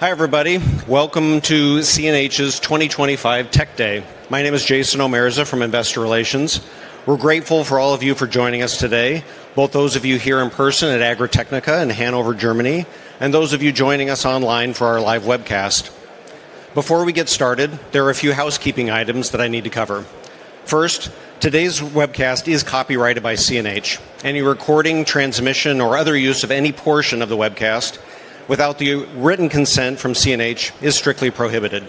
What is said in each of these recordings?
Hi everybody, welcome to CNH's 2025 Tech Day. My name is Jason Omerza from Investor Relations. We're grateful for all of you for joining us today, both those of you here in person at Agritechnica in Hanover, Germany, and those of you joining us online for our live webcast. Before we get started, there are a few housekeeping items that I need to cover. First, today's webcast is copyrighted by CNH, and any recording, transmission, or other use of any portion of the webcast without the written consent from CNH is strictly prohibited.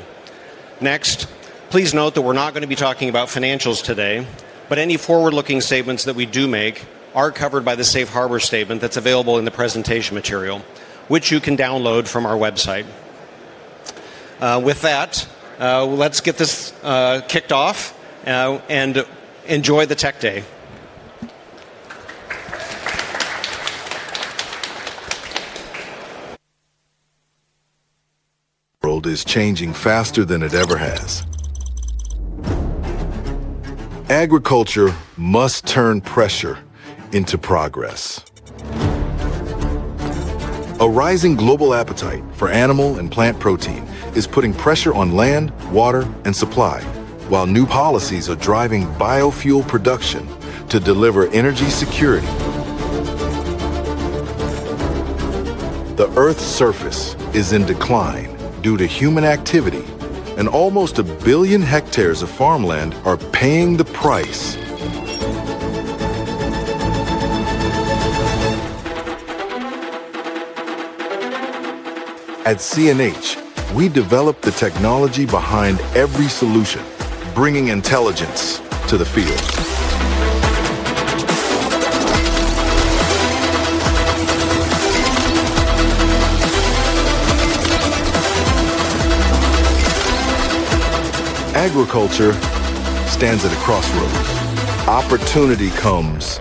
Next, please note that we're not going to be talking about financials today, but any forward-looking statements that we do make are covered by the Safe Harbor Statement that's available in the presentation material, which you can download from our website. With that, let's get this kicked off and enjoy the Tech Day. The world is changing faster than it ever has. Agriculture must turn pressure into progress. A rising global appetite for animal and plant protein is putting pressure on land, water, and supply, while new policies are driving biofuel production to deliver energy security. The Earth's surface is in decline due to human activity, and almost a billion hectares of farmland are paying the price. At CNH, we develop the technology behind every solution, bringing intelligence to the field. Agriculture stands at a crossroads. Opportunity comes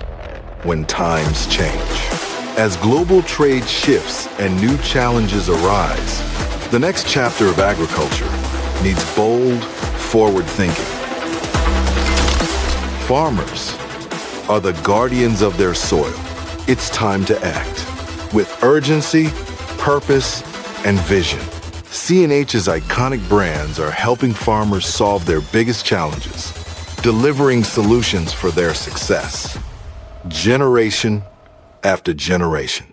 when times change. As global trade shifts and new challenges arise, the next chapter of agriculture needs bold forward thinking. Farmers are the guardians of their soil. It's time to act with urgency, purpose, and vision. CNH's iconic brands are helping farmers solve their biggest challenges, delivering solutions for their success, generation after generation.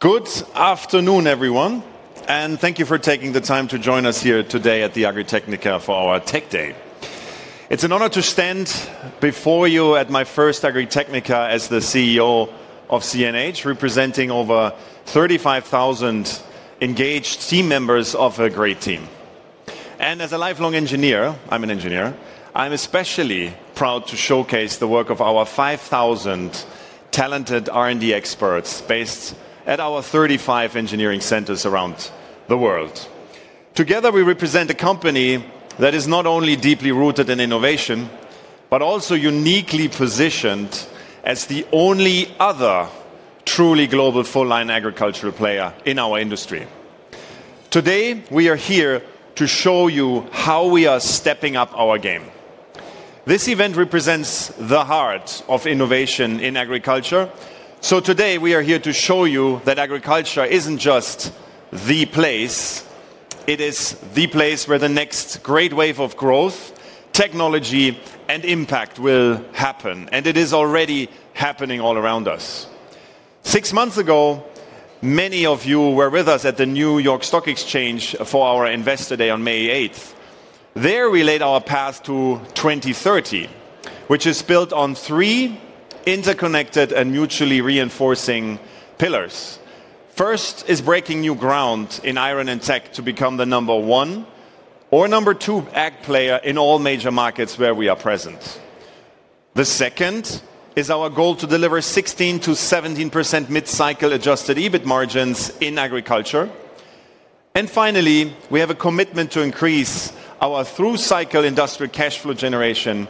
Good afternoon, everyone, and thank you for taking the time to join us here today at the Agritechnica for our Tech Day. It's an honor to stand before you at my first Agritechnica as the CEO of CNH, representing over 35,000 engaged team members of a great team. As a lifelong engineer, I'm especially proud to showcase the work of our 5,000 talented R&D experts based at our 35 engineering centers around the world. Together, we represent a company that is not only deeply rooted in innovation, but also uniquely positioned as the only other truly global full-line agricultural player in our industry. Today, we are here to show you how we are stepping up our game. This event represents the heart of innovation in agriculture. Today, we are here to show you that agriculture is not just the place; it is the place where the next great wave of growth, technology, and impact will happen, and it is already happening all around us. Six months ago, many of you were with us at the New York Stock Exchange for our Investor Day on May 8th. There we laid our path to 2030, which is built on three interconnected and mutually reinforcing pillars. First is breaking new ground in iron and tech to become the number one or number two ag player in all major markets where we are present. The second is our goal to deliver 16%-17% mid-cycle adjusted EBIT margins in agriculture. Finally, we have a commitment to increase our through-cycle industrial cash flow generation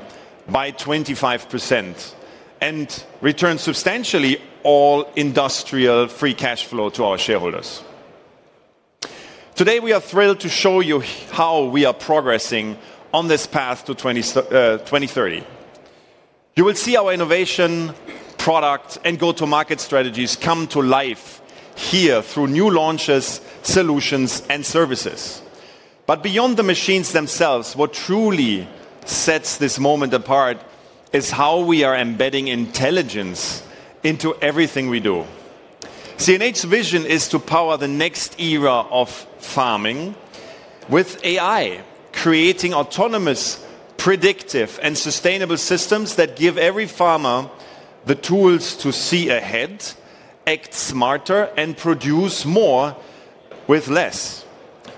by 25% and return substantially all industrial free cash flow to our shareholders. Today, we are thrilled to show you how we are progressing on this path to 2030. You will see our innovation product and go-to-market strategies come to life here through new launches, solutions, and services. Beyond the machines themselves, what truly sets this moment apart is how we are embedding intelligence into everything we do. CNH's vision is to power the next era of farming with AI, creating autonomous, predictive, and sustainable systems that give every farmer the tools to see ahead, act smarter, and produce more with less.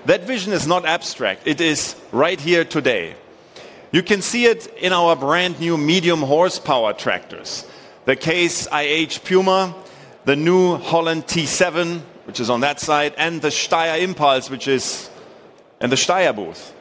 That vision is not abstract. It is right here today. You can see it in our brand new medium horsepower tractors, the Case IH Puma, the New Holland T7, which is on that side, and the Steyr Impuls, which is in the Steyr booth.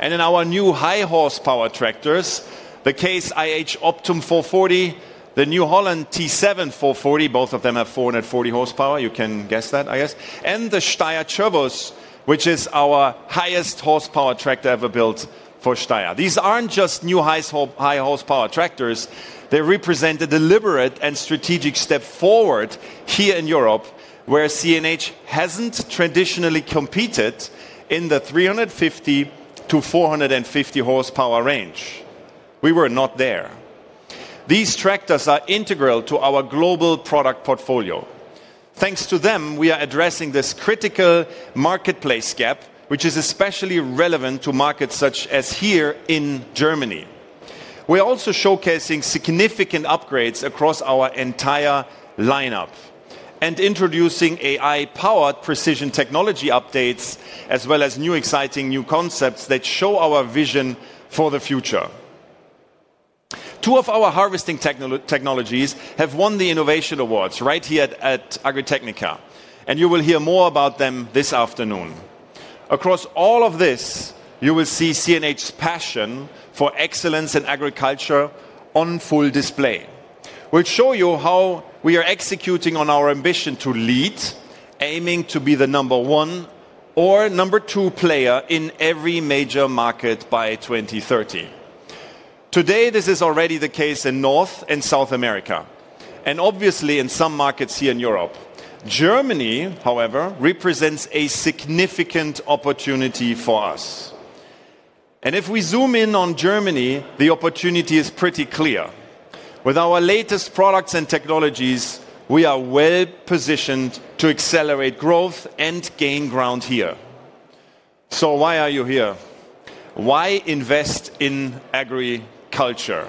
In our new high horsepower tractors, the Case IH Optum 440, the New Holland T7 440, both of them have 440 horsepower. You can guess that, I guess. The Steyr Turbos, which is our highest horsepower tractor ever built for Steyr. These are not just new high horsepower tractors. They represent a deliberate and strategic step forward here in Europe, where CNH has not traditionally competed in the 350 horsepower-450 horsepower range. We were not there. These tractors are integral to our global product portfolio. Thanks to them, we are addressing this critical marketplace gap, which is especially relevant to markets such as here in Germany. We are also showcasing significant upgrades across our entire lineup and introducing AI-powered precision technology updates, as well as exciting new concepts that show our vision for the future. Two of our harvesting technologies have won the Innovation Awards right here at Agritechnica, and you will hear more about them this afternoon. Across all of this, you will see CNH's passion for excellence in agriculture on full display. We'll show you how we are executing on our ambition to lead, aiming to be the number one or number two player in every major market by 2030. Today, this is already the case in North and South America, and obviously in some markets here in Europe. Germany, however, represents a significant opportunity for us. If we zoom in on Germany, the opportunity is pretty clear. With our latest products and technologies, we are well positioned to accelerate growth and gain ground here. Why are you here? Why invest in agriculture?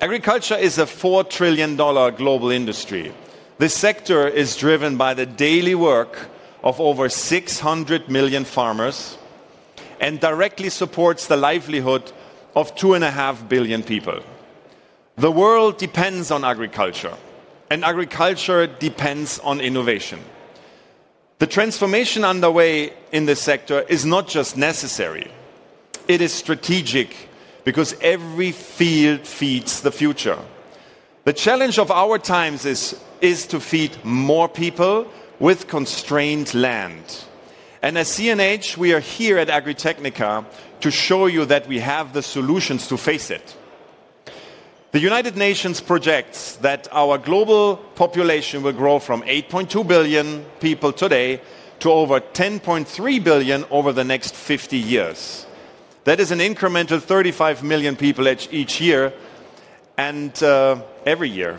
Agriculture is a $4 trillion global industry. This sector is driven by the daily work of over 600 million farmers and directly supports the livelihood of two and a half billion people. The world depends on agriculture, and agriculture depends on innovation. The transformation underway in this sector is not just necessary. It is strategic because every field feeds the future. The challenge of our times is to feed more people with constrained land. As CNH, we are here at Agritechnica to show you that we have the solutions to face it. The United Nations projects that our global population will grow from 8.2 billion people today to over 10.3 billion over the next 50 years. That is an increment of 35 million people each year and every year.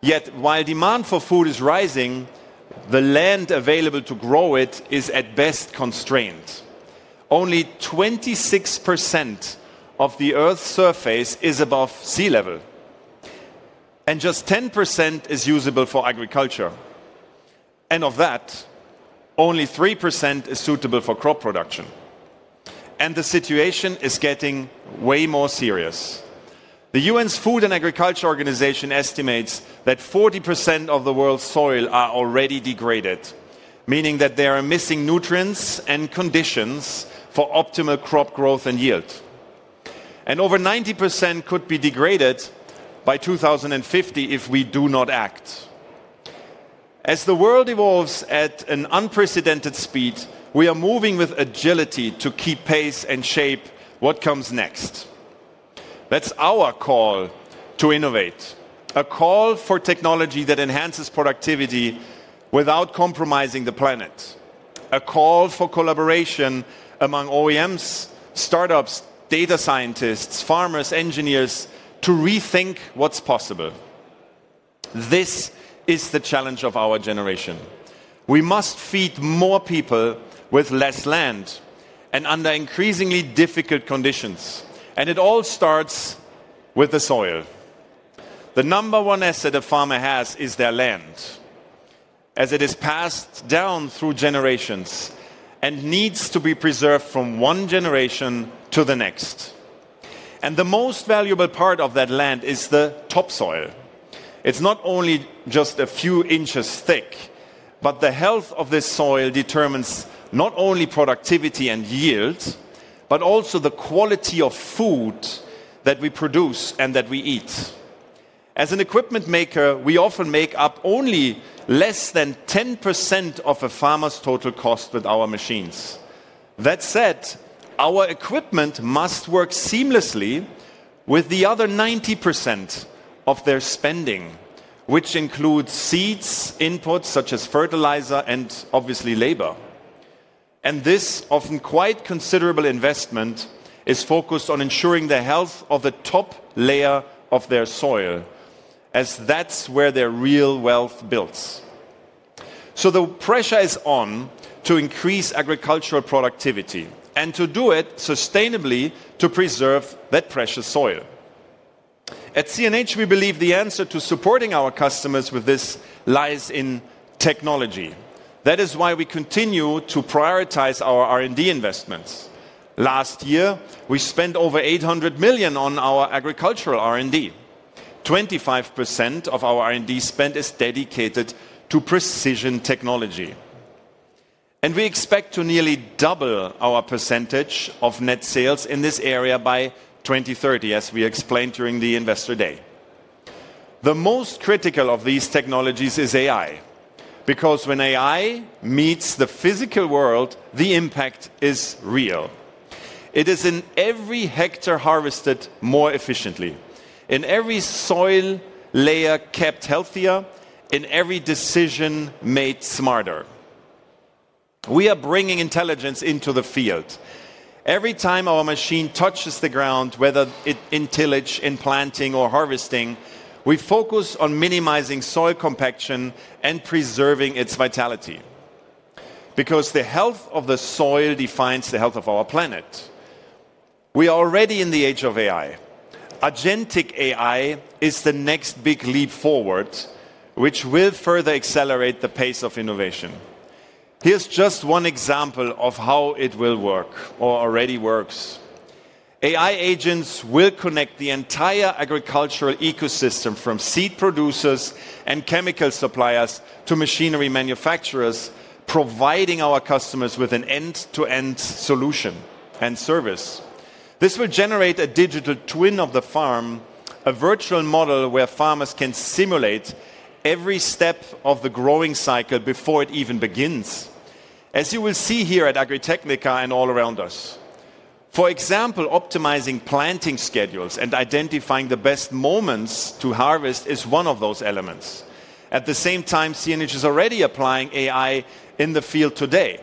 Yet while demand for food is rising, the land available to grow it is at best constrained. Only 26% of the Earth's surface is above sea level, and just 10% is usable for agriculture. Of that, only 3% is suitable for crop production. The situation is getting way more serious. The UN's Food and Agriculture Organization estimates that 40% of the world's soil is already degraded, meaning that there are missing nutrients and conditions for optimal crop growth and yield. Over 90% could be degraded by 2050 if we do not act. As the world evolves at an unprecedented speed, we are moving with agility to keep pace and shape what comes next. That is our call to innovate, a call for technology that enhances productivity without compromising the planet, a call for collaboration among OEMs, startups, data scientists, farmers, engineers to rethink what is possible. This is the challenge of our generation. We must feed more people with less land and under increasingly difficult conditions. It all starts with the soil. The number one asset a farmer has is their land, as it is passed down through generations and needs to be preserved from one generation to the next. The most valuable part of that land is the topsoil. It's not only just a few inches thick, but the health of this soil determines not only productivity and yield, but also the quality of food that we produce and that we eat. As an equipment maker, we often make up only less than 10% of a farmer's total cost with our machines. That said, our equipment must work seamlessly with the other 90% of their spending, which includes seeds, inputs such as fertilizer, and obviously labor. This often quite considerable investment is focused on ensuring the health of the top layer of their soil, as that's where their real wealth builds. The pressure is on to increase agricultural productivity and to do it sustainably to preserve that precious soil. At CNH, we believe the answer to supporting our customers with this lies in technology. That is why we continue to prioritize our R&D investments. Last year, we spent over $800 million on our agricultural R&D. 25% of our R&D spend is dedicated to precision technology. We expect to nearly double our percentage of net sales in this area by 2030, as we explained during the Investor Day. The most critical of these technologies is AI, because when AI meets the physical world, the impact is real. It is in every hectare harvested more efficiently, in every soil layer kept healthier, in every decision made smarter. We are bringing intelligence into the field. Every time our machine touches the ground, whether it's tillage, planting, or harvesting, we focus on minimizing soil compaction and preserving its vitality, because the health of the soil defines the health of our planet. We are already in the age of AI. Agentic AI is the next big leap forward, which will further accelerate the pace of innovation. Here's just one example of how it will work or already works. AI agents will connect the entire agricultural ecosystem from seed producers and chemical suppliers to machinery manufacturers, providing our customers with an end-to-end solution and service. This will generate a digital twin of the farm, a virtual model where farmers can simulate every step of the growing cycle before it even begins, as you will see here at Agritechnica and all around us. For example, optimizing planting schedules and identifying the best moments to harvest is one of those elements. At the same time, CNH is already applying AI in the field today.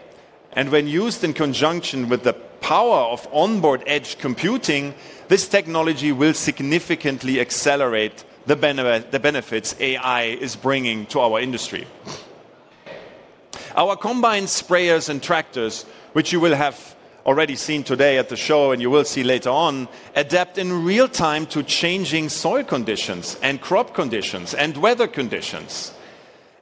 When used in conjunction with the power of onboard edge computing, this technology will significantly accelerate the benefits AI is bringing to our industry. Our combined sprayers and tractors, which you will have already seen today at the show and you will see later on, adapt in real time to changing soil conditions and crop conditions and weather conditions.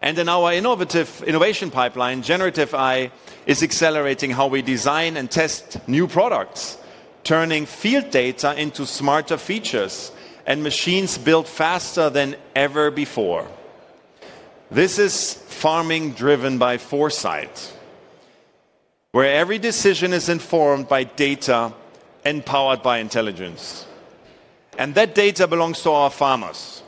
In our innovation pipeline, generative AI is accelerating how we design and test new products, turning field data into smarter features and machines built faster than ever before. This is farming driven by foresight, where every decision is informed by data and powered by intelligence. That data belongs to our farmers.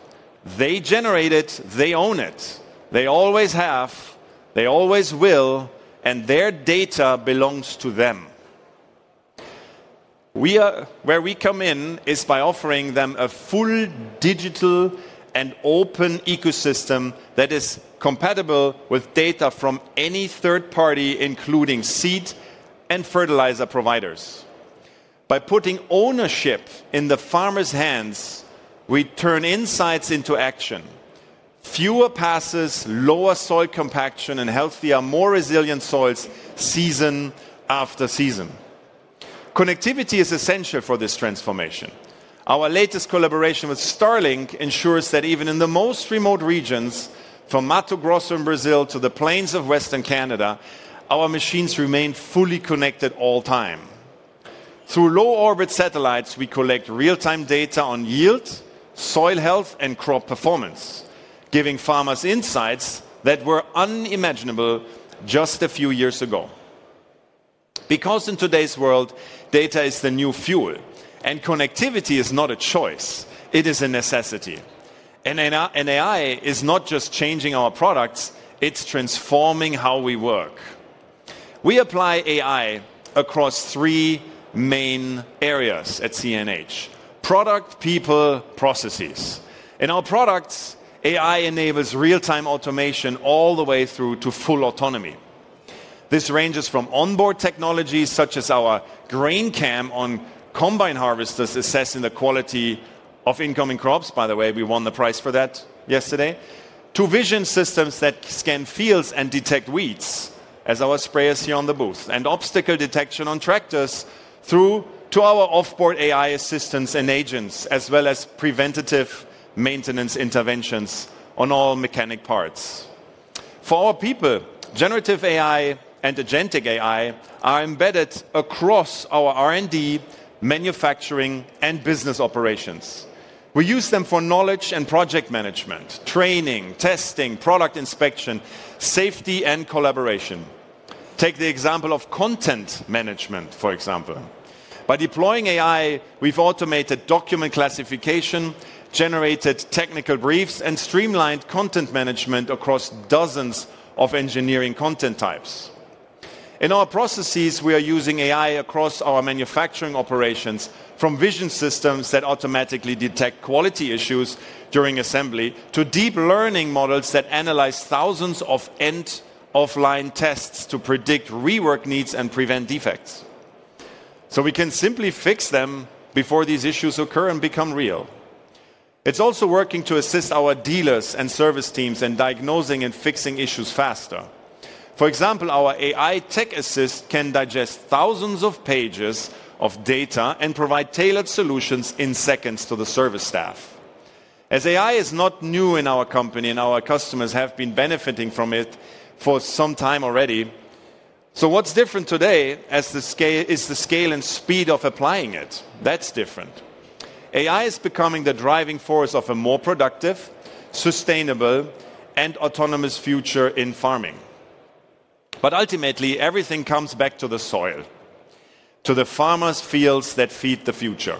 They generate it, they own it. They always have, they always will, and their data belongs to them. Where we come in is by offering them a full digital and open ecosystem that is compatible with data from any third party, including seed and fertilizer providers. By putting ownership in the farmer's hands, we turn insights into action. Fewer passes, lower soil compaction, and healthier, more resilient soils season after season. Connectivity is essential for this transformation. Our latest collaboration with SpaceX Starlink ensures that even in the most remote regions, from Mato Grosso, Brazil, to the plains of western Canada, our machines remain fully connected all the time. Through low orbit satellites, we collect real-time data on yield, soil health, and crop performance, giving farmers insights that were unimaginable just a few years ago. Because in today's world, data is the new fuel, and connectivity is not a choice. It is a necessity. AI is not just changing our products; it's transforming how we work. We apply AI across three main areas at CNH: product, people, processes. In our products, AI enables real-time automation all the way through to full autonomy. This ranges from onboard technologies such as our Grain Cam on combine harvesters assessing the quality of incoming crops. By the way, we won the prize for that yesterday. To vision systems that scan fields and detect weeds as our sprayers here on the booth, and obstacle detection on tractors through to our offboard AI assistants and agents, as well as preventative maintenance interventions on all mechanic parts. For our people, generative AI and agentic AI are embedded across our R&D, manufacturing, and business operations. We use them for knowledge and project management, training, testing, product inspection, safety, and collaboration. Take the example of content management, for example. By deploying AI, we've automated document classification, generated technical briefs, and streamlined content management across dozens of engineering content types. In our processes, we are using AI across our manufacturing operations, from vision systems that automatically detect quality issues during assembly to deep learning models that analyze thousands of end-of-line tests to predict rework needs and prevent defects. We can simply fix them before these issues occur and become real. It's also working to assist our dealers and service teams in diagnosing and fixing issues faster. For example, our AI tech assist can digest thousands of pages of data and provide tailored solutions in seconds to the service staff. AI is not new in our company, and our customers have been benefiting from it for some time already. What's different today is the scale and speed of applying it. That's different. AI is becoming the driving force of a more productive, sustainable, and autonomous future in farming. Ultimately, everything comes back to the soil, to the farmers' fields that feed the future.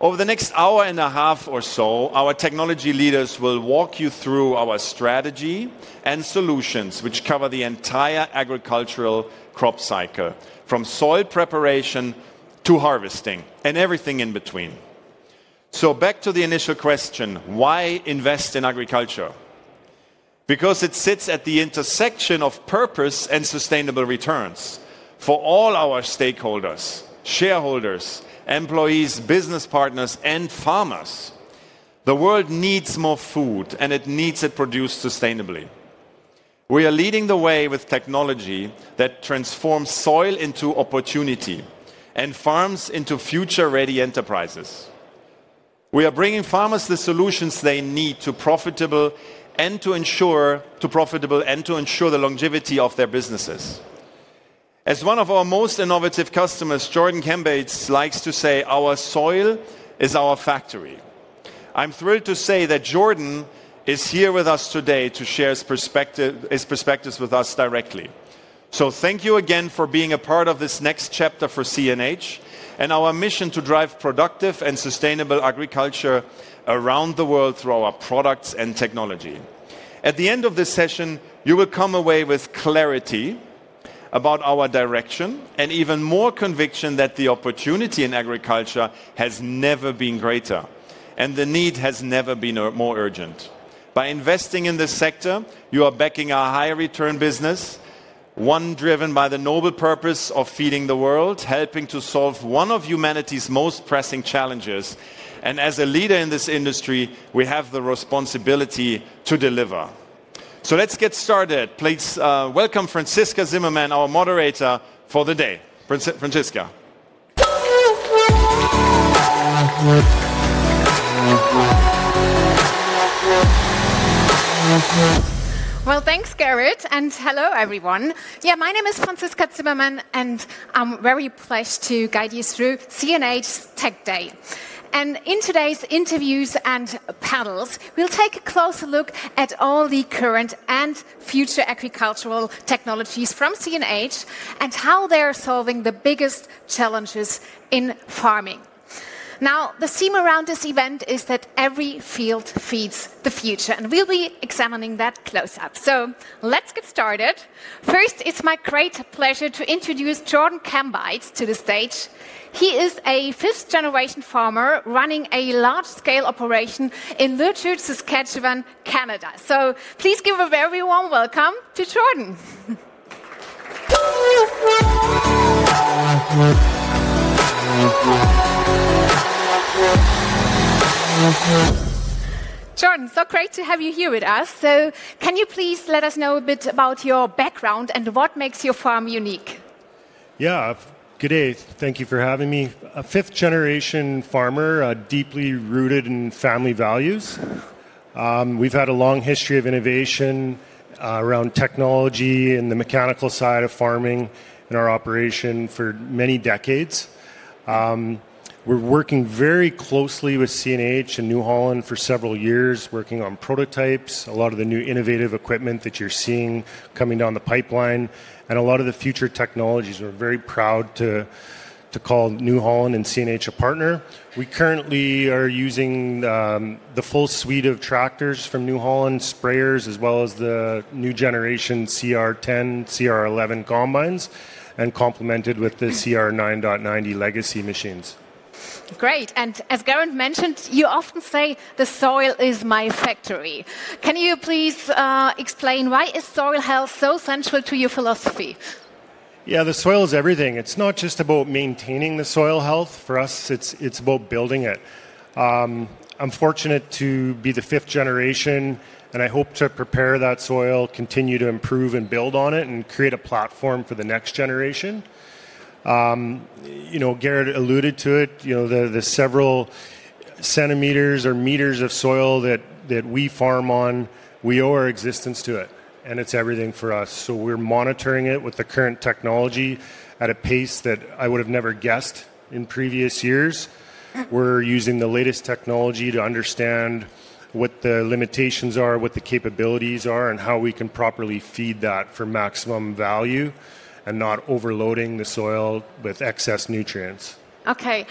Over the next hour and a half or so, our technology leaders will walk you through our strategy and solutions, which cover the entire agricultural crop cycle, from soil preparation to harvesting and everything in between. Back to the initial question: why invest in agriculture? Because it sits at the intersection of purpose and sustainable returns for all our stakeholders: shareholders, employees, business partners, and farmers. The world needs more food, and it needs it produced sustainably. We are leading the way with technology that transforms soil into opportunity and farms into future-ready enterprises. We are bringing farmers the solutions they need to be profitable and to ensure the longevity of their businesses. As one of our most innovative customers, Jordan Kambites likes to say, "Our soil is our factory." I'm thrilled to say that Jordan is here with us today to share his perspectives with us directly. Thank you again for being a part of this next chapter for CNH and our mission to drive productive and sustainable agriculture around the world through our products and technology. At the end of this session, you will come away with clarity about our direction and even more conviction that the opportunity in agriculture has never been greater and the need has never been more urgent. By investing in this sector, you are backing a high-return business, one driven by the noble purpose of feeding the world, helping to solve one of humanity's most pressing challenges. As a leader in this industry, we have the responsibility to deliver. Let's get started. Please welcome Franziska Zimmerman, our moderator for the day. Francesca. Thank you, Gerritt. Hello, everyone. My name is Franziska Zimmerman, and I'm very pleased to guide you through CNH Tech Day. In today's interviews and panels, we'll take a closer look at all the current and future agricultural technologies from CNH and how they're solving the biggest challenges in farming. The theme around this event is that every field feeds the future, and we'll be examining that close up. Let's get started. First, it's my great pleasure to introduce Jordan Kambites to the stage. He is a fifth-generation farmer running a large-scale operation in Luton, Saskatchewan, Canada. Please give a very warm welcome to Jordan. Jordan, so great to have you here with us. Can you please let us know a bit about your background and what makes your farm unique? Yeah, good day. Thank you for having me. A fifth-generation farmer, deeply rooted in family values. We've had a long history of innovation around technology and the mechanical side of farming in our operation for many decades. We're working very closely with CNH and New Holland for several years, working on prototypes, a lot of the new innovative equipment that you're seeing coming down the pipeline, and a lot of the future technologies. We're very proud to call New Holland and CNH a partner. We currently are using the full suite of tractors from New Holland, sprayers, as well as the new generation CR10, CR11 combines, and complemented with the CR9.90 legacy machines. Great. As Gerrit mentioned, you often say, "The soil is my factory." Can you please explain why is soil health so central to your philosophy? Yeah, the soil is everything. It's not just about maintaining the soil health. For us, it's about building it. I'm fortunate to be the fifth generation, and I hope to prepare that soil, continue to improve and build on it, and create a platform for the next generation. Gerrit alluded to it. The several centimeters or meters of soil that we farm on, we owe our existence to it, and it's everything for us. We're monitoring it with the current technology at a pace that I would have never guessed in previous years. We're using the latest technology to understand what the limitations are, what the capabilities are, and how we can properly feed that for maximum value and not overloading the soil with excess nutrients. Okay.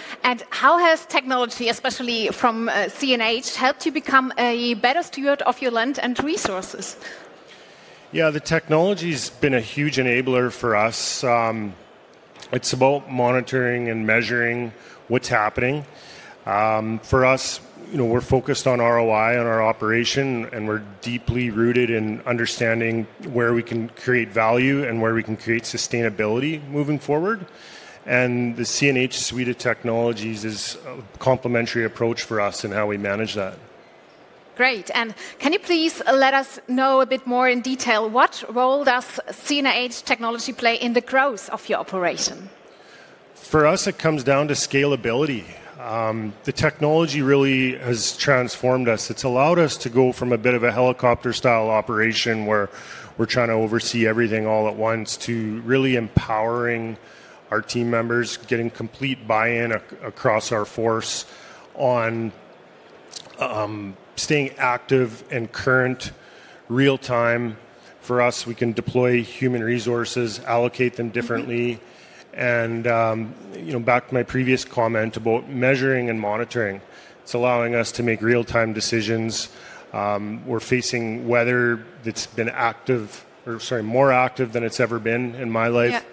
How has technology, especially from CNH, helped you become a better steward of your land and resources? Yeah, the technology has been a huge enabler for us. It's about monitoring and measuring what's happening. For us, we're focused on ROI on our operation, and we're deeply rooted in understanding where we can create value and where we can create sustainability moving forward. The CNH suite of technologies is a complementary approach for us in how we manage that. Great. Can you please let us know a bit more in detail what role does CNH technology play in the growth of your operation? For us, it comes down to scalability. The technology really has transformed us. It's allowed us to go from a bit of a helicopter-style operation where we're trying to oversee everything all at once to really empowering our team members, getting complete buy-in across our force on staying active and current, real-time. For us, we can deploy human resources, allocate them differently. Back to my previous comment about measuring and monitoring, it's allowing us to make real-time decisions. We're facing weather that's been active or, sorry, more active than it's ever been in my life.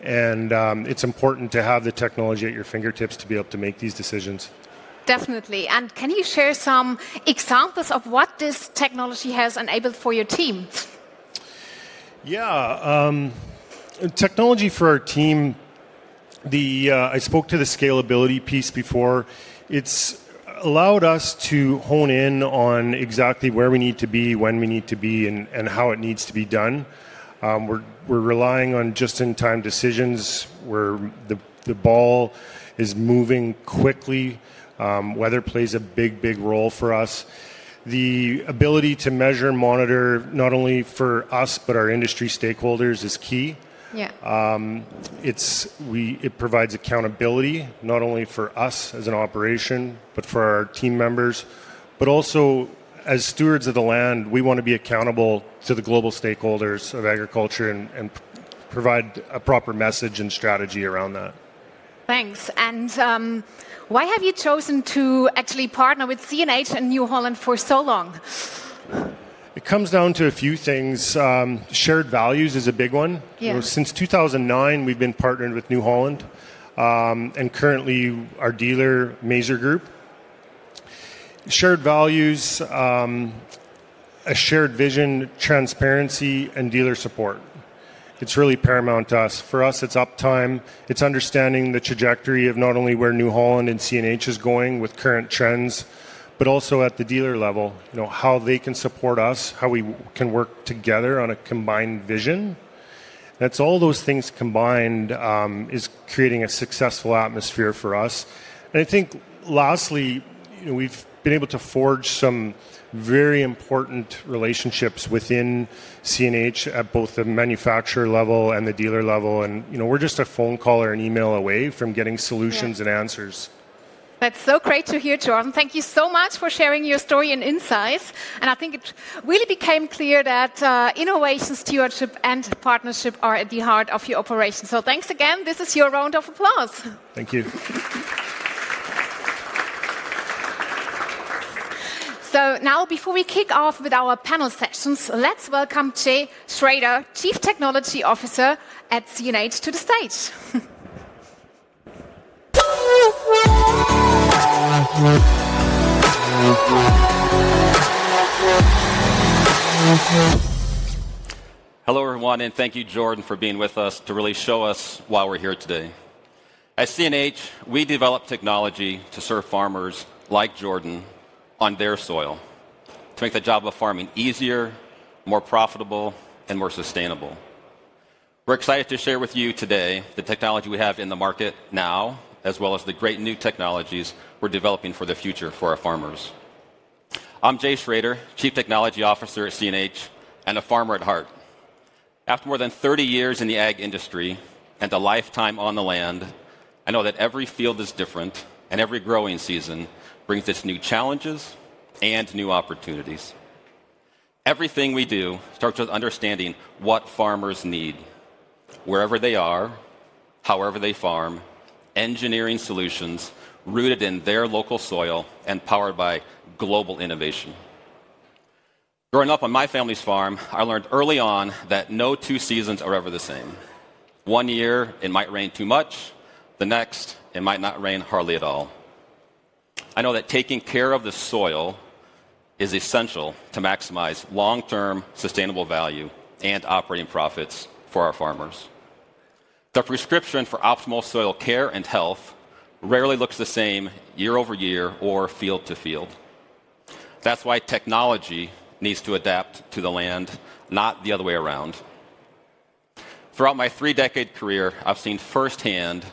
It's important to have the technology at your fingertips to be able to make these decisions. Definitely. Can you share some examples of what this technology has enabled for your team? Yeah. Technology for our team, I spoke to the scalability piece before. It has allowed us to hone in on exactly where we need to be, when we need to be, and how it needs to be done. We are relying on just-in-time decisions where the ball is moving quickly. Weather plays a big, big role for us. The ability to measure and monitor not only for us, but our industry stakeholders is key. It provides accountability not only for us as an operation, but for our team members. Also, as stewards of the land, we want to be accountable to the global stakeholders of agriculture and provide a proper message and strategy around that. Thanks. Why have you chosen to actually partner with CNH and New Holland for so long? It comes down to a few things. Shared values is a big one. Since 2009, we've been partnered with New Holland and currently our dealer, Mazor Group. Shared values, a shared vision, transparency, and dealer support. It's really paramount to us. For us, it's uptime. It's understanding the trajectory of not only where New Holland and CNH are going with current trends, but also at the dealer level, how they can support us, how we can work together on a combined vision. That's all those things combined is creating a successful atmosphere for us. I think lastly, we've been able to forge some very important relationships within CNH at both the manufacturer level and the dealer level. We're just a phone call or an email away from getting solutions and answers. That's so great to hear, Jordan. Thank you so much for sharing your story and insights. I think it really became clear that innovation, stewardship, and partnership are at the heart of your operation. Thanks again. This is your round of applause. Thank you. Now, before we kick off with our panel sessions, let's welcome Jay Schrader, Chief Technology Officer at CNH, to the stage. Hello, everyone, and thank you, Jordan, for being with us to really show us why we're here today. At CNH, we develop technology to serve farmers like Jordan on their soil to make the job of farming easier, more profitable, and more sustainable. We're excited to share with you today the technology we have in the market now, as well as the great new technologies we're developing for the future for our farmers. I'm Jay Schrader, Chief Technology Officer at CNH and a farmer at heart. After more than 30 years in the ag industry and a lifetime on the land, I know that every field is different and every growing season brings its new challenges and new opportunities. Everything we do starts with understanding what farmers need wherever they are, however they farm, engineering solutions rooted in their local soil and powered by global innovation. Growing up on my family's farm, I learned early on that no two seasons are ever the same. One year, it might rain too much. The next, it might not rain hardly at all. I know that taking care of the soil is essential to maximize long-term sustainable value and operating profits for our farmers. The prescription for optimal soil care and health rarely looks the same year-over-year or field to field. That's why technology needs to adapt to the land, not the other way around. Throughout my three-decade career, I've seen firsthand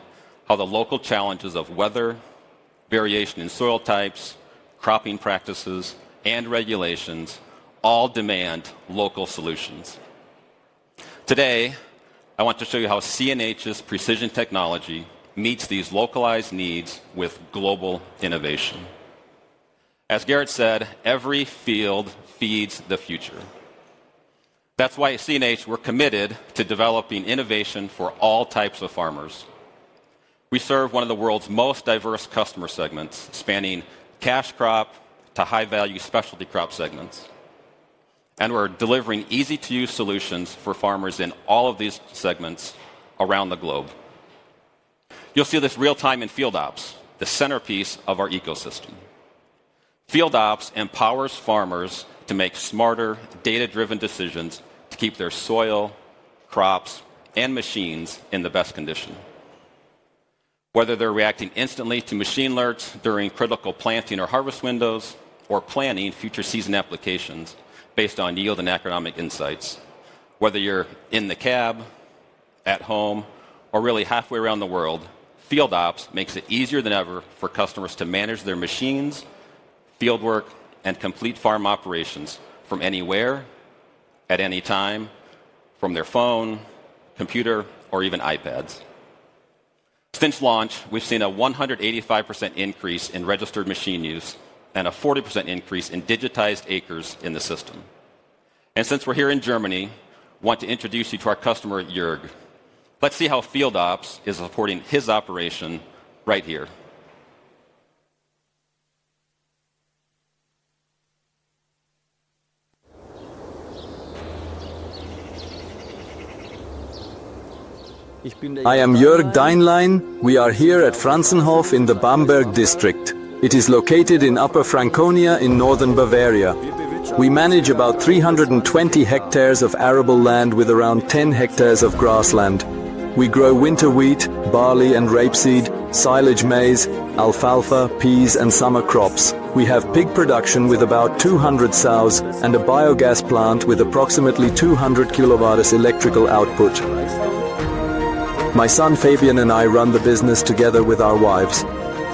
how the local challenges of weather, variation in soil types, cropping practices, and regulations all demand local solutions. Today, I want to show you how CNH's precision technology meets these localized needs with global innovation. As Gerrit said, "Every field feeds the future." That is why at CNH, we are committed to developing innovation for all types of farmers. We serve one of the world's most diverse customer segments, spanning cash crop to high-value specialty crop segments. We are delivering easy-to-use solutions for farmers in all of these segments around the globe. You will see this real-time in FieldOps, the centerpiece of our ecosystem. FieldOps empowers farmers to make smarter, data-driven decisions to keep their soil, crops, and machines in the best condition. Whether they're reacting instantly to machine alerts during critical planting or harvest windows or planning future season applications based on yield and economic insights, whether you're in the cab, at home, or really halfway around the world, FieldOps makes it easier than ever for customers to manage their machines, fieldwork, and complete farm operations from anywhere, at any time, from their phone, computer, or even iPads. Since launch, we've seen a 185% increase in registered machine use and a 40% increase in digitized acres in the system. Since we're here in Germany, I want to introduce you to our customer, Jörg. Let's see how FieldOps is supporting his operation right here. I am Jörg Deinlein. We are here at Franzenhof in the Bamberg district. It is located in Upper Franconia in northern Bavaria. We manage about 320 hectares of arable land with around 10 hectares of grassland. We grow winter wheat, barley, and rapeseed, silage maize, alfalfa, peas, and summer crops. We have pig production with about 200 sows and a biogas plant with approximately 200 kWh electrical output. My son Fabian and I run the business together with our wives.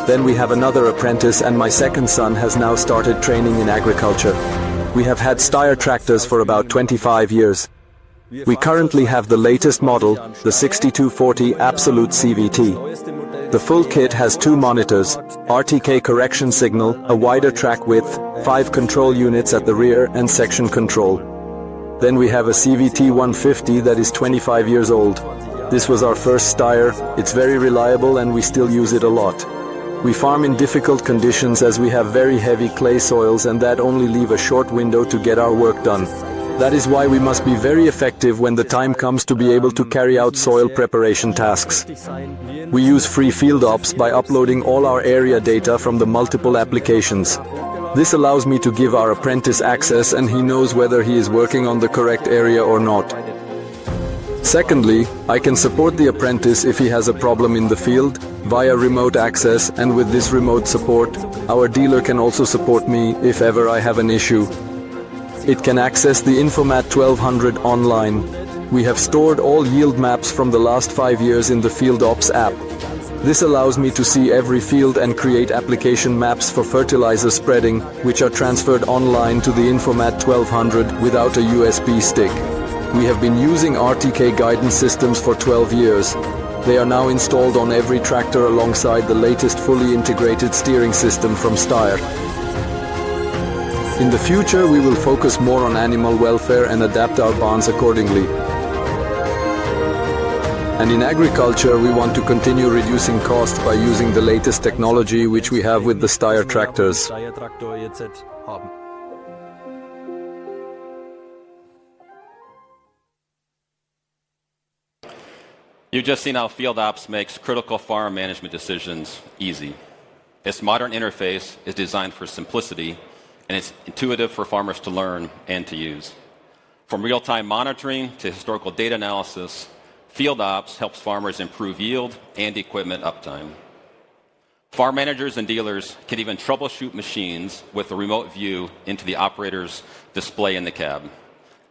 We have another apprentice, and my second son has now started training in agriculture. We have had Steyr tractors for about 25 years. We currently have the latest model, the 6240 Absolut CVT. The full kit has two monitors, RTK correction signal, a wider track width, five control units at the rear, and section control. We have a CVT 150 that is 25 years old. This was our first Steyr. It's very reliable, and we still use it a lot. We farm in difficult conditions as we have very heavy clay soils, and that only leaves a short window to get our work done. That is why we must be very effective when the time comes to be able to carry out soil preparation tasks. We use free FieldOps by uploading all our area data from the multiple applications. This allows me to give our apprentice access, and he knows whether he is working on the correct area or not. Secondly, I can support the apprentice if he has a problem in the field via remote access, and with this remote support, our dealer can also support me if ever I have an issue. It can access the INFOMAT 1200 online. We have stored all yield maps from the last five years in the FieldOps app. This allows me to see every field and create application maps for fertilizer spreading, which are transferred online to the INFOMAT 1200 without a USB stick. We have been using RTK guidance systems for 12 years. They are now installed on every tractor alongside the latest fully integrated steering system from Steyr. In the future, we will focus more on animal welfare and adapt our barns accordingly. In agriculture, we want to continue reducing costs by using the latest technology, which we have with the Steyr tractors. You've just seen how FieldOps makes critical farm management decisions easy. Its modern interface is designed for simplicity, and it's intuitive for farmers to learn and to use. From real-time monitoring to historical data analysis, FieldOps helps farmers improve yield and equipment uptime. Farm managers and dealers can even troubleshoot machines with a remote view into the operator's display in the cab,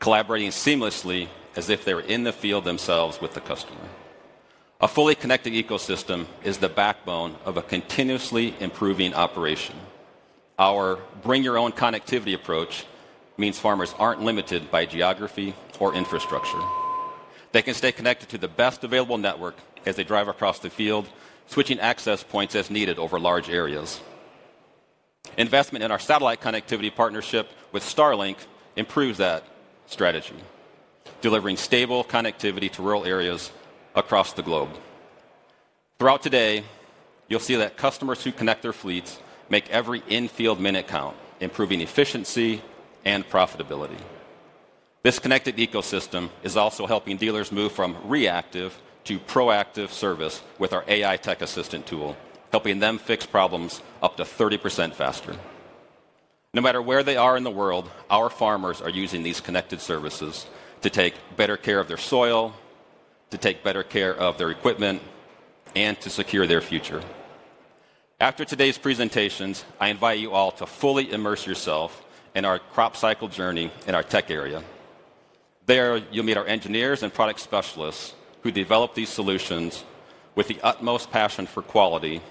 collaborating seamlessly as if they're in the field themselves with the customer. A fully connected ecosystem is the backbone of a continuously improving operation. Our bring-your-own-connectivity approach means farmers aren't limited by geography or infrastructure. They can stay connected to the best available network as they drive across the field, switching access points as needed over large areas. Investment in our satellite connectivity partnership with Starlink improves that strategy, delivering stable connectivity to rural areas across the globe. Throughout today, you'll see that customers who connect their fleets make every in-field minute count, improving efficiency and profitability. This connected ecosystem is also helping dealers move from reactive to proactive service with our AI tech assistant tool, helping them fix problems up to 30% faster. No matter where they are in the world, our farmers are using these connected services to take better care of their soil, to take better care of their equipment, and to secure their future. After today's presentations, I invite you all to fully immerse yourself in our crop cycle journey in our tech area. There, you'll meet our engineers and product specialists who develop these solutions with the utmost passion for quality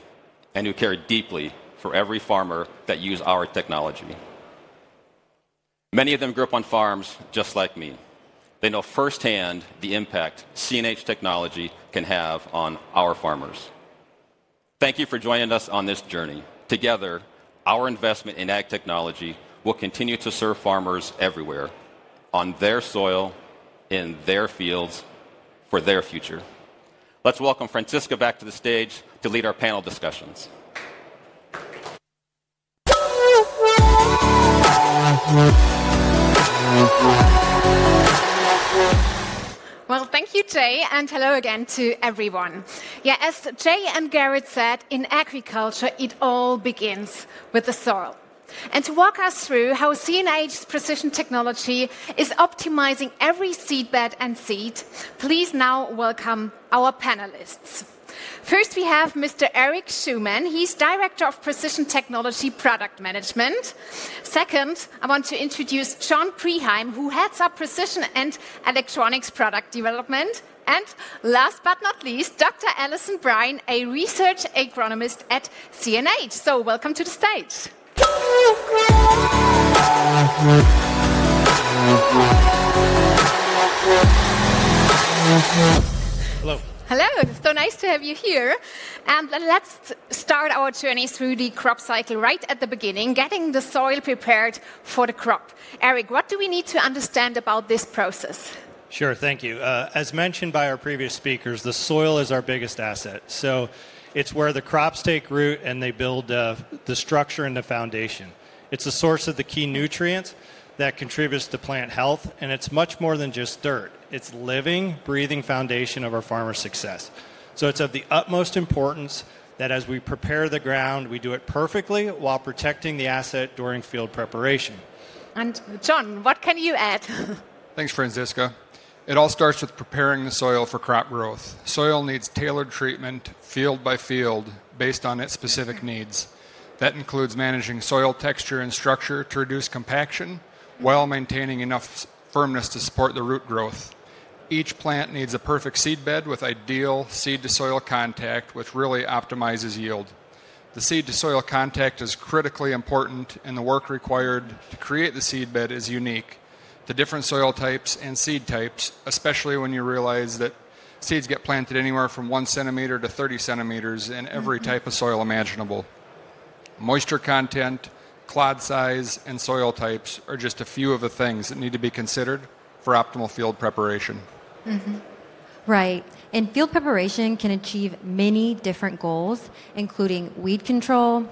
and who care deeply for every farmer that uses our technology. Many of them grew up on farms just like me. They know firsthand the impact CNH technology can have on our farmers. Thank you for joining us on this journey. Together, our investment in ag technology will continue to serve farmers everywhere, on their soil, in their fields, for their future. Let's welcome Francesca back to the stage to lead our panel discussions. Thank you, Jay, and hello again to everyone. Yeah, as Jay and Gerrit said, in agriculture, it all begins with the soil. To walk us through how CNH's precision technology is optimizing every seedbed and seed, please now welcome our panelists. First, we have Mr. Eric Schumann. He's Director of Precision Technology Product Management. Second, I want to introduce John Priheim, who heads up precision and electronics product development. Last but not least, Dr. Alison Bryne, a research agronomist at CNH. Welcome to the stage. Hello. Hello. So nice to have you here. Let's start our journey through the crop cycle right at the beginning, getting the soil prepared for the crop. Eric, what do we need to understand about this process? Sure, thank you. As mentioned by our previous speakers, the soil is our biggest asset. It is where the crops take root and they build the structure and the foundation. It is the source of the key nutrients that contribute to plant health, and it is much more than just dirt. It is the living, breathing foundation of our farmer's success. It is of the utmost importance that as we prepare the ground, we do it perfectly while protecting the asset during field preparation. John, what can you add? Thanks, Francesca. It all starts with preparing the soil for crop growth. Soil needs tailored treatment field by field based on its specific needs. That includes managing soil texture and structure to reduce compaction, while maintaining enough firmness to support the root growth. Each plant needs a perfect seedbed with ideal seed-to-soil contact, which really optimizes yield. The seed-to-soil contact is critically important, and the work required to create the seedbed is unique. The different soil types and seed types, especially when you realize that seeds get planted anywhere from 1 cm-30 cm in every type of soil imaginable. Moisture content, clod size, and soil types are just a few of the things that need to be considered for optimal field preparation. Right. Field preparation can achieve many different goals, including weed control,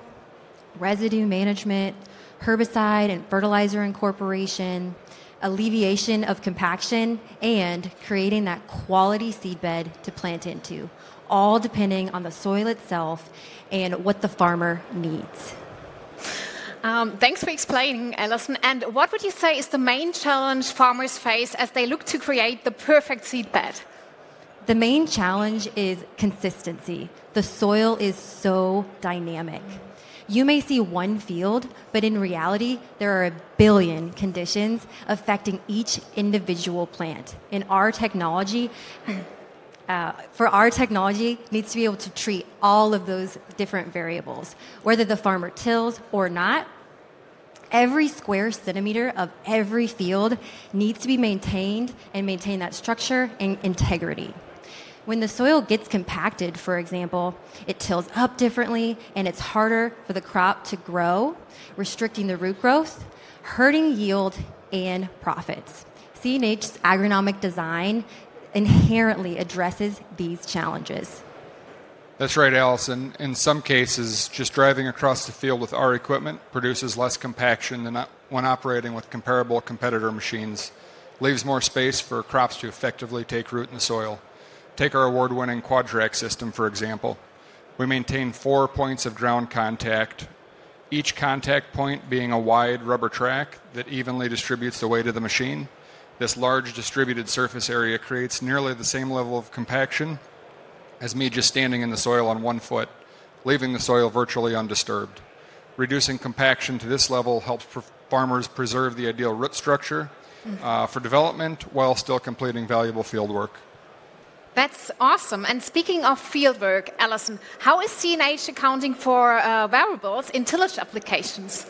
residue management, herbicide and fertilizer incorporation, alleviation of compaction, and creating that quality seedbed to plant into, all depending on the soil itself and what the farmer needs. Thanks for explaining, Alison. What would you say is the main challenge farmers face as they look to create the perfect seedbed? The main challenge is consistency. The soil is so dynamic. You may see one field, but in reality, there are a billion conditions affecting each individual plant. Our technology needs to be able to treat all of those different variables, whether the farmer tills or not. Every square centimeter of every field needs to be maintained and maintain that structure and integrity. When the soil gets compacted, for example, it tills up differently, and it's harder for the crop to grow, restricting the root growth, hurting yield and profits. CNH's agronomic design inherently addresses these challenges. That's right, Alison. In some cases, just driving across the field with our equipment produces less compaction than when operating with comparable competitor machines. It leaves more space for crops to effectively take root in the soil. Take our award-winning Quadrax system, for example. We maintain four points of ground contact, each contact point being a wide rubber track that evenly distributes the weight of the machine. This large distributed surface area creates nearly the same level of compaction as me just standing in the soil on one foot, leaving the soil virtually undisturbed. Reducing compaction to this level helps farmers preserve the ideal root structure for development while still completing valuable fieldwork. That's awesome. Speaking of fieldwork, Alison, how is CNH accounting for variables in tillage applications?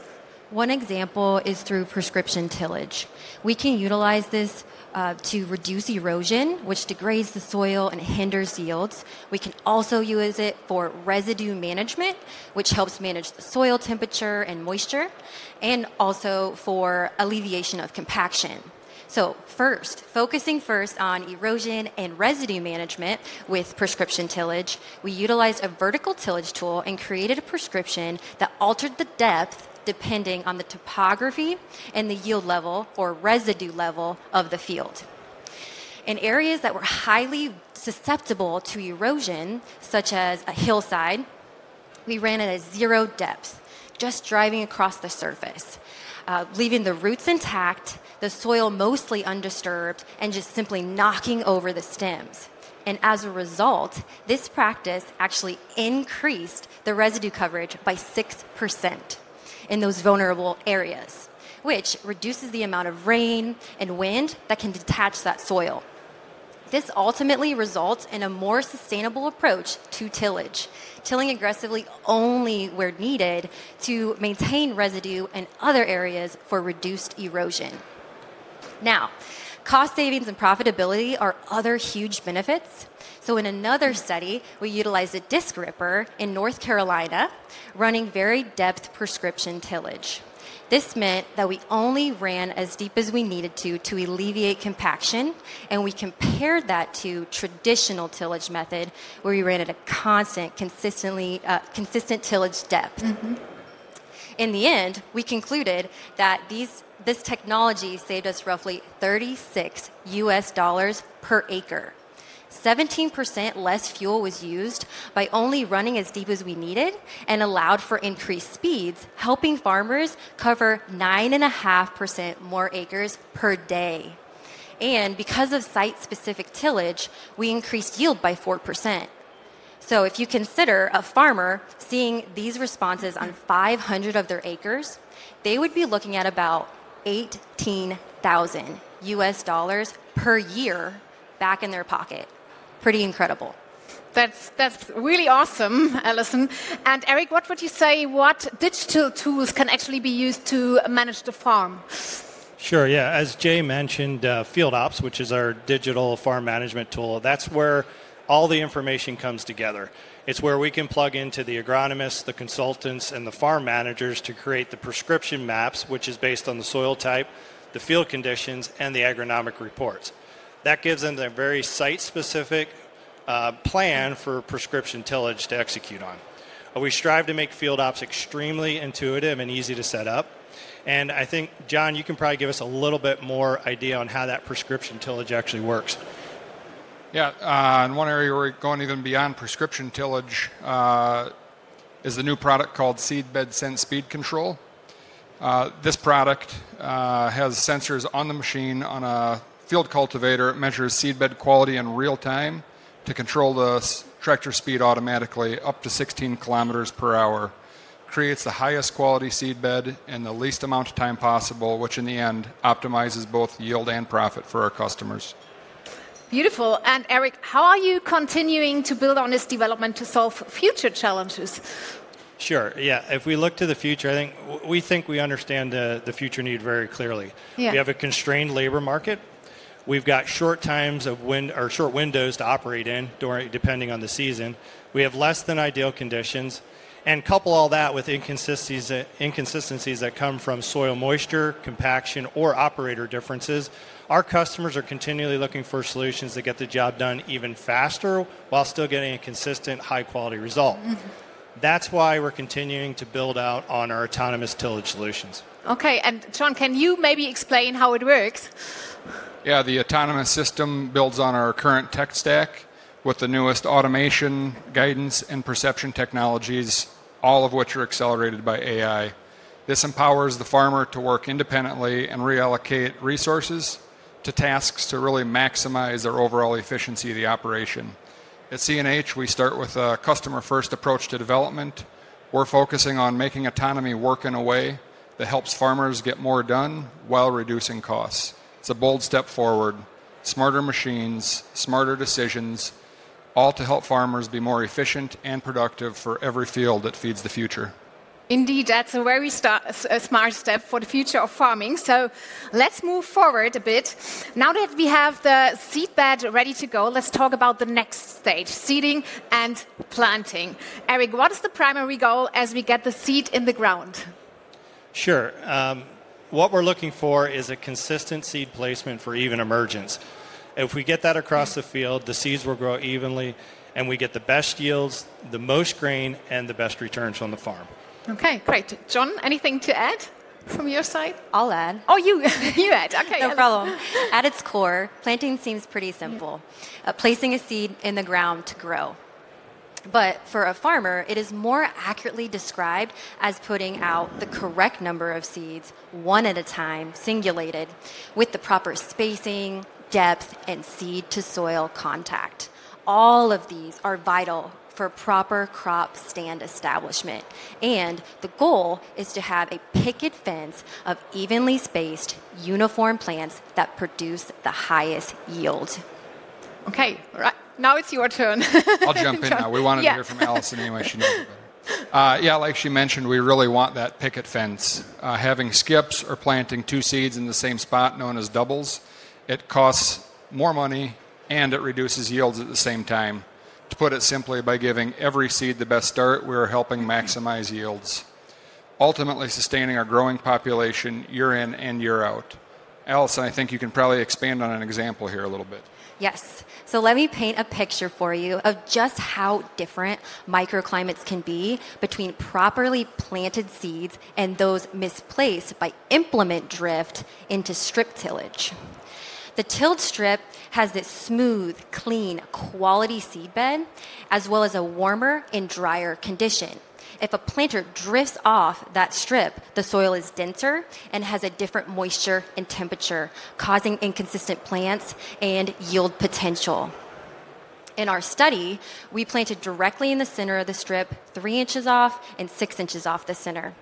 One example is through prescription tillage. We can utilize this to reduce erosion, which degrades the soil and hinders yields. We can also use it for residue management, which helps manage the soil temperature and moisture, and also for alleviation of compaction. First, focusing first on erosion and residue management with prescription tillage, we utilized a vertical tillage tool and created a prescription that altered the depth depending on the topography and the yield level or residue level of the field. In areas that were highly susceptible to erosion, such as a hillside, we ran at a zero depth, just driving across the surface, leaving the roots intact, the soil mostly undisturbed, and just simply knocking over the stems. As a result, this practice actually increased the residue coverage by 6% in those vulnerable areas, which reduces the amount of rain and wind that can detach that soil. This ultimately results in a more sustainable approach to tillage, tilling aggressively only where needed to maintain residue in other areas for reduced erosion. Now, cost savings and profitability are other huge benefits. In another study, we utilized a disc ripper in North Carolina running variable depth prescription tillage. This meant that we only ran as deep as we needed to to alleviate compaction, and we compared that to a traditional tillage method where we ran at a constant, consistent tillage depth. In the end, we concluded that this technology saved us roughly $36 per acre. 17% less fuel was used by only running as deep as we needed and allowed for increased speeds, helping farmers cover 9.5% more acres per day. Because of site-specific tillage, we increased yield by 4%. If you consider a farmer seeing these responses on 500 of their acres, they would be looking at about $18,000 per year back in their pocket. Pretty incredible. That's really awesome, Alison. Eric, what would you say, what digital tools can actually be used to manage the farm? Sure, yeah. As Jay mentioned, FieldOps, which is our digital farm management tool, that's where all the information comes together. It's where we can plug into the agronomists, the consultants, and the farm managers to create the prescription maps, which is based on the soil type, the field conditions, and the agronomic reports. That gives them a very site-specific plan for prescription tillage to execute on. We strive to make FieldOps extremely intuitive and easy to set up. I think, John, you can probably give us a little bit more idea on how that prescription tillage actually works. Yeah, in one area where we're going even beyond prescription tillage is a new product called Seedbed Sense Speed Control. This product has sensors on the machine on a field cultivator. It measures seedbed quality in real time to control the tractor speed automatically up to 16 km per hour. It creates the highest quality seedbed in the least amount of time possible, which in the end optimizes both yield and profit for our customers. Beautiful. Eric, how are you continuing to build on this development to solve future challenges? Sure, yeah. If we look to the future, I think we understand the future need very clearly. We have a constrained labor market. We've got short windows to operate in depending on the season. We have less than ideal conditions. Couple all that with inconsistencies that come from soil moisture, compaction, or operator differences. Our customers are continually looking for solutions that get the job done even faster while still getting a consistent, high-quality result. That's why we're continuing to build out on our autonomous tillage solutions. Okay, and John, can you maybe explain how it works? Yeah, the autonomous system builds on our current tech stack with the newest automation, guidance, and perception technologies, all of which are accelerated by AI. This empowers the farmer to work independently and reallocate resources to tasks to really maximize their overall efficiency of the operation. At CNH, we start with a customer-first approach to development. We're focusing on making autonomy work in a way that helps farmers get more done while reducing costs. It's a bold step forward, smarter machines, smarter decisions, all to help farmers be more efficient and productive for every field that feeds the future. Indeed, that's where we start a smart step for the future of farming. Let's move forward a bit. Now that we have the seedbed ready to go, let's talk about the next stage, seeding and planting. Eric, what is the primary goal as we get the seed in the ground? Sure. What we're looking for is a consistent seed placement for even emergence. If we get that across the field, the seeds will grow evenly, and we get the best yields, the most grain, and the best returns on the farm. Okay, great. John, anything to add from your side? I'll add. Oh, you add. Okay. No problem. At its core, planting seems pretty simple, placing a seed in the ground to grow. For a farmer, it is more accurately described as putting out the correct number of seeds one at a time, singulated, with the proper spacing, depth, and seed-to-soil contact. All of these are vital for proper crop stand establishment. The goal is to have a picket fence of evenly spaced, uniform plants that produce the highest yield. Okay, all right. Now it's your turn. I'll jump in now. We want to hear from Alison anyway, she needs it. Yeah, like she mentioned, we really want that picket fence. Having skips or planting two seeds in the same spot, known as doubles, it costs more money, and it reduces yields at the same time. To put it simply, by giving every seed the best start, we're helping maximize yields, ultimately sustaining our growing population year in and year out. Alison, I think you can probably expand on an example here a little bit. Yes. Let me paint a picture for you of just how different microclimates can be between properly planted seeds and those misplaced by implement drift into strip tillage. The tilled strip has this smooth, clean, quality seedbed, as well as a warmer and drier condition. If a planter drifts off that strip, the soil is denser and has a different moisture and temperature, causing inconsistent plants and yield potential. In our study, we planted directly in the center of the strip, 3 in off and 6 in off the center.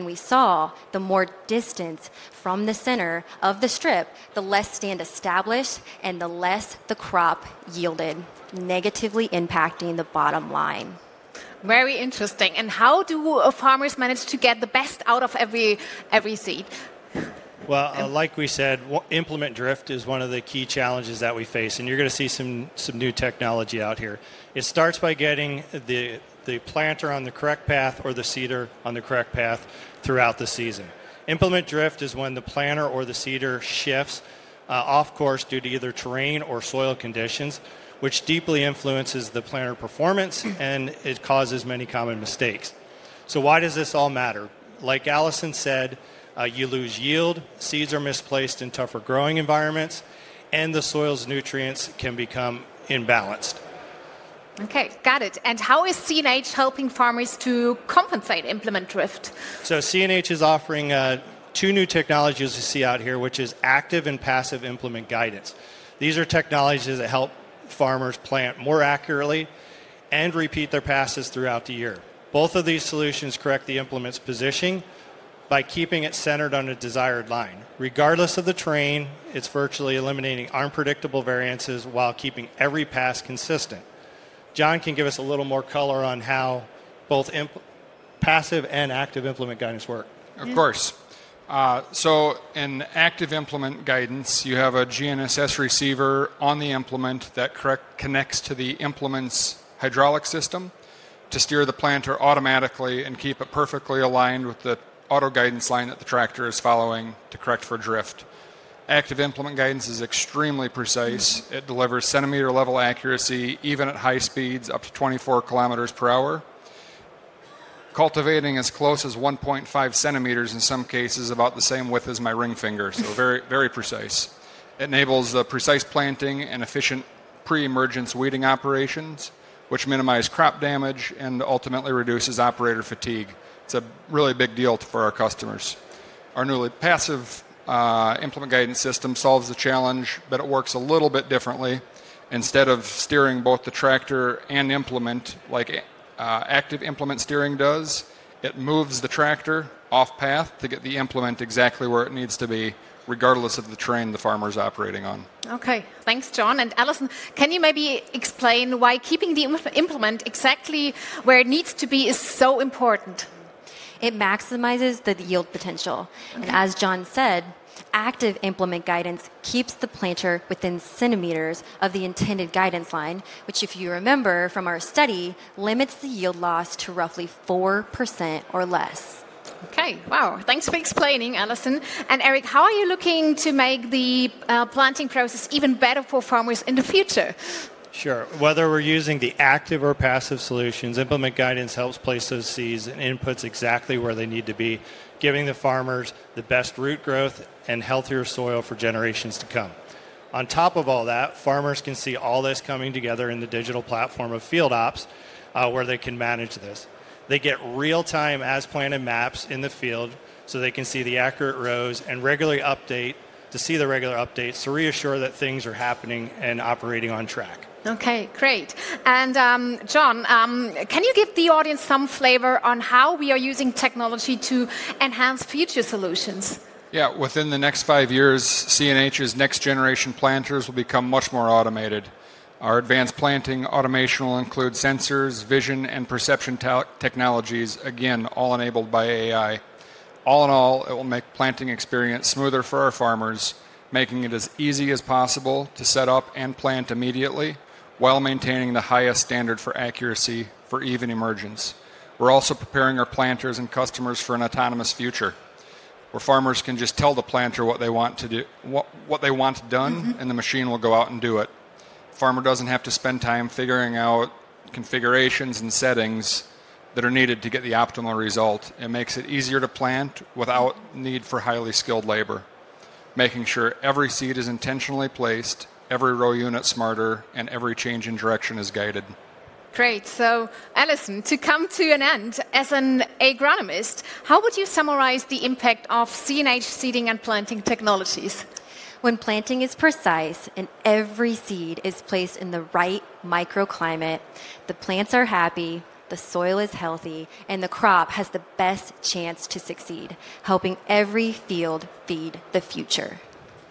We saw the more distance from the center of the strip, the less stand established and the less the crop yielded, negatively impacting the bottom line. Very interesting. How do farmers manage to get the best out of every seed? Like we said, implement drift is one of the key challenges that we face. You're going to see some new technology out here. It starts by getting the planter on the correct path or the seeder on the correct path throughout the season. Implement drift is when the planter or the seeder shifts off course due to either terrain or soil conditions, which deeply influences the planter performance, and it causes many common mistakes. Why does this all matter? Like Alison said, you lose yield, seeds are misplaced in tougher growing environments, and the soil's nutrients can become imbalanced. Okay, got it. How is CNH helping farmers to compensate implement drift? CNH is offering two new technologies you see out here, which are active and passive implement guidance. These are technologies that help farmers plant more accurately and repeat their passes throughout the year. Both of these solutions correct the implement's positioning by keeping it centered on a desired line. Regardless of the terrain, it is virtually eliminating unpredictable variances while keeping every pass consistent. John can give us a little more color on how both passive and active implement guidance work. Of course. In active implement guidance, you have a GNSS receiver on the implement that connects to the implement's hydraulic system to steer the planter automatically and keep it perfectly aligned with the auto guidance line that the tractor is following to correct for drift. Active implement guidance is extremely precise. It delivers centimeter-level accuracy even at high speeds, up to 24 km per hour, cultivating as close as 1.5 cm in some cases, about the same width as my ring finger. Very precise. It enables precise planting and efficient pre-emergence weeding operations, which minimize crop damage and ultimately reduces operator fatigue. It's a really big deal for our customers. Our newly passive implement guidance system solves the challenge, but it works a little bit differently. Instead of steering both the tractor and implement, like active implement steering does, it moves the tractor off path to get the implement exactly where it needs to be, regardless of the terrain the farmer's operating on. Okay, thanks, John. Alison, can you maybe explain why keeping the implement exactly where it needs to be is so important? It maximizes the yield potential. As John said, Active Implement Guidance keeps the planter within centimeters of the intended guidance line, which, if you remember from our study, limits the yield loss to roughly 4% or less. Okay, wow. Thanks for explaining, Alison. Eric, how are you looking to make the planting process even better for farmers in the future? Sure. Whether we're using the active or passive solutions, implement guidance helps place those seeds and inputs exactly where they need to be, giving the farmers the best root growth and healthier soil for generations to come. On top of all that, farmers can see all this coming together in the digital platform of FieldOps, where they can manage this. They get real-time as-planted maps in the field so they can see the accurate rows and regularly update to see the regular updates to reassure that things are happening and operating on track. Okay, great. John, can you give the audience some flavor on how we are using technology to enhance future solutions? Yeah, within the next five years, CNH's next-generation planters will become much more automated. Our advanced planting automation will include sensors, vision, and perception technologies, again, all enabled by AI. All in all, it will make the planting experience smoother for our farmers, making it as easy as possible to set up and plant immediately, while maintaining the highest standard for accuracy for even emergence. We're also preparing our planters and customers for an autonomous future, where farmers can just tell the planter what they want done, and the machine will go out and do it. The farmer doesn't have to spend time figuring out configurations and settings that are needed to get the optimal result. It makes it easier to plant without the need for highly skilled labor, making sure every seed is intentionally placed, every row unit smarter, and every change in direction is guided. Great. So Alison, to come to an end, as an agronomist, how would you summarize the impact of CNH seeding and planting technologies? When planting is precise and every seed is placed in the right microclimate, the plants are happy, the soil is healthy, and the crop has the best chance to succeed, helping every field feed the future.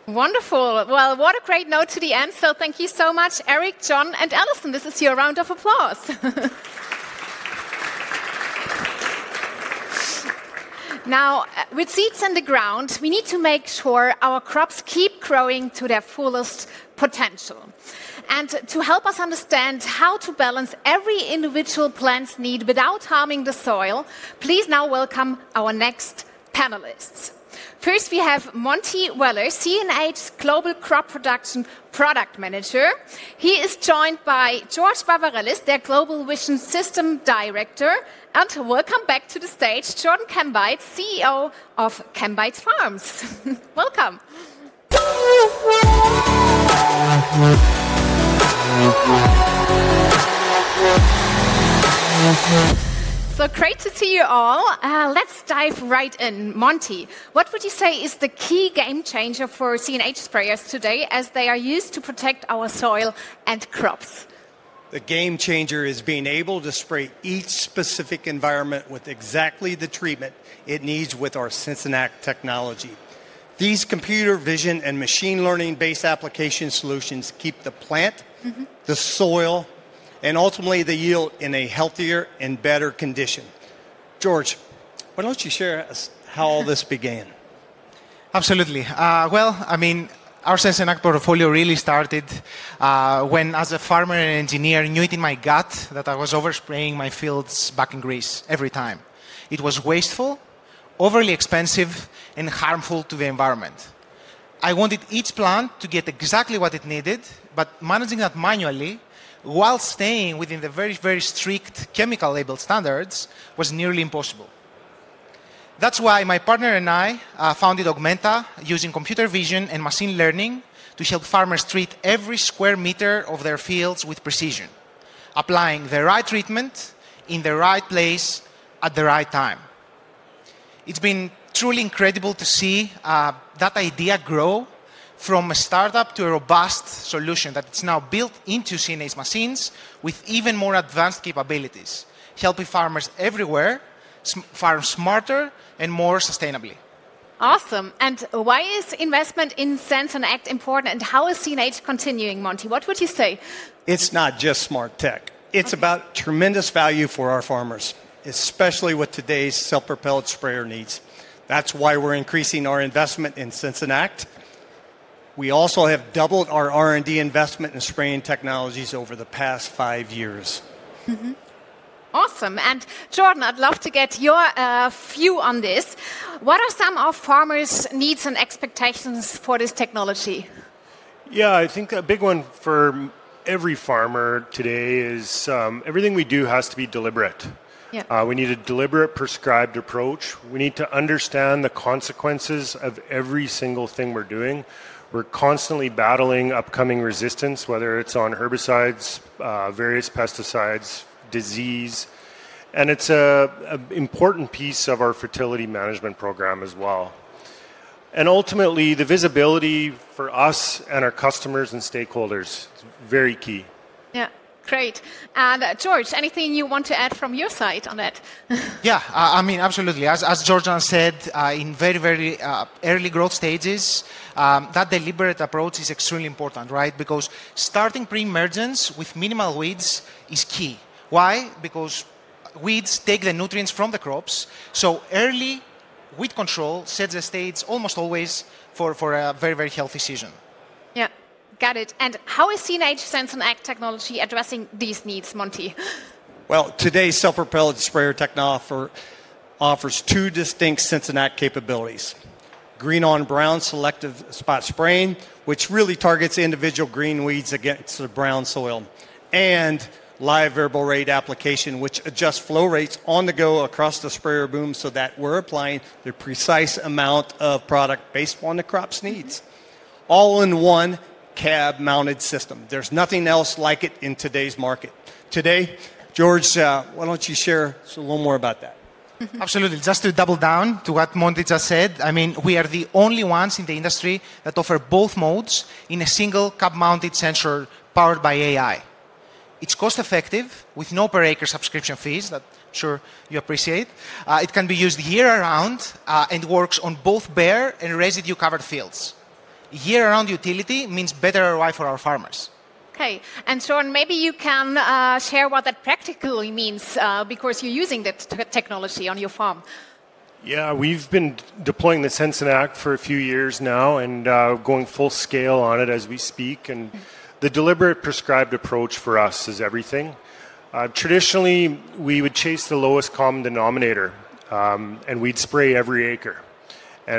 Wonderful. What a great note to end on. Thank you so much, Eric, John, and Alison. This is your round of applause. Now, with seeds in the ground, we need to make sure our crops keep growing to their fullest potential. To help us understand how to balance every individual plant's need without harming the soil, please now welcome our next panelists. First, we have Monty Weller, CNH's Global Crop Production Product Manager. He is joined by George Barbarellis, their Global Vision System Director. Welcome back to the stage, Jordan Kambites, CEO of Kambites Farms. Welcome. Great to see you all. Let's dive right in. Monty, what would you say is the key game changer for CNH sprayers today as they are used to protect our soil and crops? The game changer is being able to spray each specific environment with exactly the treatment it needs with our Sysonak technology. These computer vision and machine learning-based application solutions keep the plant, the soil, and ultimately the yield in a healthier and better condition. George, why don't you share how all this began? Absolutely. I mean, our Sysonak portfolio really started when, as a farmer and engineer, I knew it in my gut that I was overspraying my fields back in Greece every time. It was wasteful, overly expensive, and harmful to the environment. I wanted each plant to get exactly what it needed, but managing that manually while staying within the very, very strict chemical label standards was nearly impossible. That's why my partner and I founded Augmenta, using computer vision and machine learning to help farmers treat every square meter of their fields with precision, applying the right treatment in the right place at the right time. It's been truly incredible to see that idea grow from a startup to a robust solution that is now built into CNH machines with even more advanced capabilities, helping farmers everywhere farm smarter and more sustainably. Awesome. Why is investment in Sysonak important, and how is CNH continuing, Monty? What would you say? It's not just smart tech. It's about tremendous value for our farmers, especially with today's self-propelled sprayer needs. That's why we're increasing our investment in Sysonak. We also have doubled our R&D investment in spraying technologies over the past five years. Awesome. Jordan, I'd love to get your view on this. What are some of farmers' needs and expectations for this technology? Yeah, I think a big one for every farmer today is everything we do has to be deliberate. We need a deliberate prescribed approach. We need to understand the consequences of every single thing we're doing. We're constantly battling upcoming resistance, whether it's on herbicides, various pesticides, disease. It is an important piece of our fertility management program as well. Ultimately, the visibility for us and our customers and stakeholders is very key. Yeah, great. George, anything you want to add from your side on that? Yeah, I mean, absolutely. As Jordan said, in very, very early growth stages, that deliberate approach is extremely important, right? Because starting pre-emergence with minimal weeds is key. Why? Because weeds take the nutrients from the crops. Early weed control sets the stage almost always for a very, very healthy season. Yeah, got it. How is CNH Sysonak technology addressing these needs, Monty? Today's self-propelled sprayer technology offers two distinct Sysonak capabilities: Green On Brown selective spot spraying, which really targets individual green weeds against the brown soil, and live variable rate application, which adjusts flow rates on the go across the sprayer boom so that we're applying the precise amount of product based on the crop's needs. All in one cab-mounted system. There's nothing else like it in today's market. Today, George, why don't you share a little more about that? Absolutely. Just to double down to what Monty just said, I mean, we are the only ones in the industry that offer both modes in a single cab-mounted sensor powered by AI. It is cost-effective with no per-acre subscription fees that I am sure you appreciate. It can be used year-round and works on both bare and residue-covered fields. Year-round utility means better ROI for our farmers. Okay. Jordan, maybe you can share what that practically means because you're using that technology on your farm. Yeah, we've been deploying the Sysonak for a few years now and going full scale on it as we speak. The deliberate prescribed approach for us is everything. Traditionally, we would chase the lowest common denominator, and we'd spray every acre.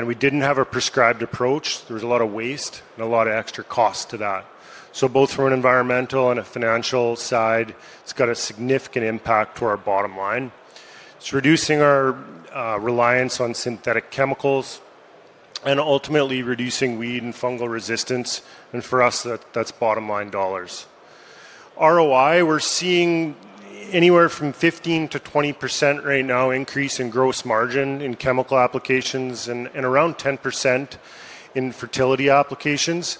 We didn't have a prescribed approach. There was a lot of waste and a lot of extra cost to that. Both from an environmental and a financial side, it's got a significant impact to our bottom line. It's reducing our reliance on synthetic chemicals and ultimately reducing weed and fungal resistance. For us, that's bottom-line dollars. ROI, we're seeing anywhere from 15%-20% right now, increase in gross margin in chemical applications and around 10% in fertility applications.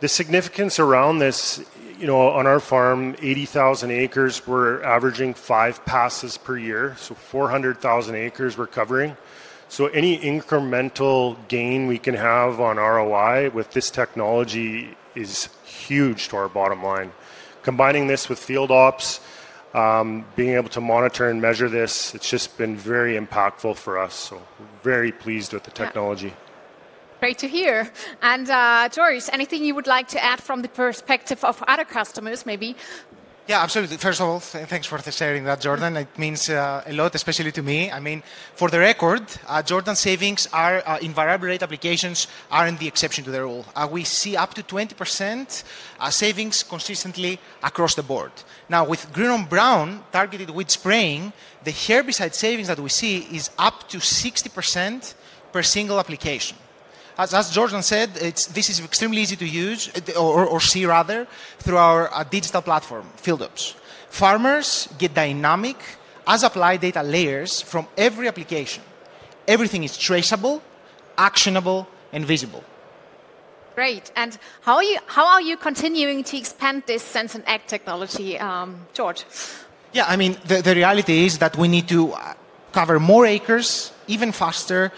The significance around this, on our farm, 80,000 acres, we're averaging five passes per year. 400,000 acres we're covering. Any incremental gain we can have on ROI with this technology is huge to our bottom line. Combining this with FieldOps, being able to monitor and measure this, it's just been very impactful for us. Very pleased with the technology. Great to hear. George, anything you would like to add from the perspective of other customers, maybe? Yeah, absolutely. First of all, thanks for sharing that, Jordan. It means a lot, especially to me. I mean, for the record, Jordan, savings in variable rate applications are in the exception to the rule. We see up to 20% savings consistently across the board. Now, with Green On Brown targeted weed spraying, the herbicide savings that we see is up to 60% per single application. As Jordan said, this is extremely easy to use or see, rather, through our digital platform, FieldOps. Farmers get dynamic as-applied data layers from every application. Everything is traceable, actionable, and visible. Great. How are you continuing to expand this Sysonak technology, George? Yeah, I mean, the reality is that we need to cover more acres even faster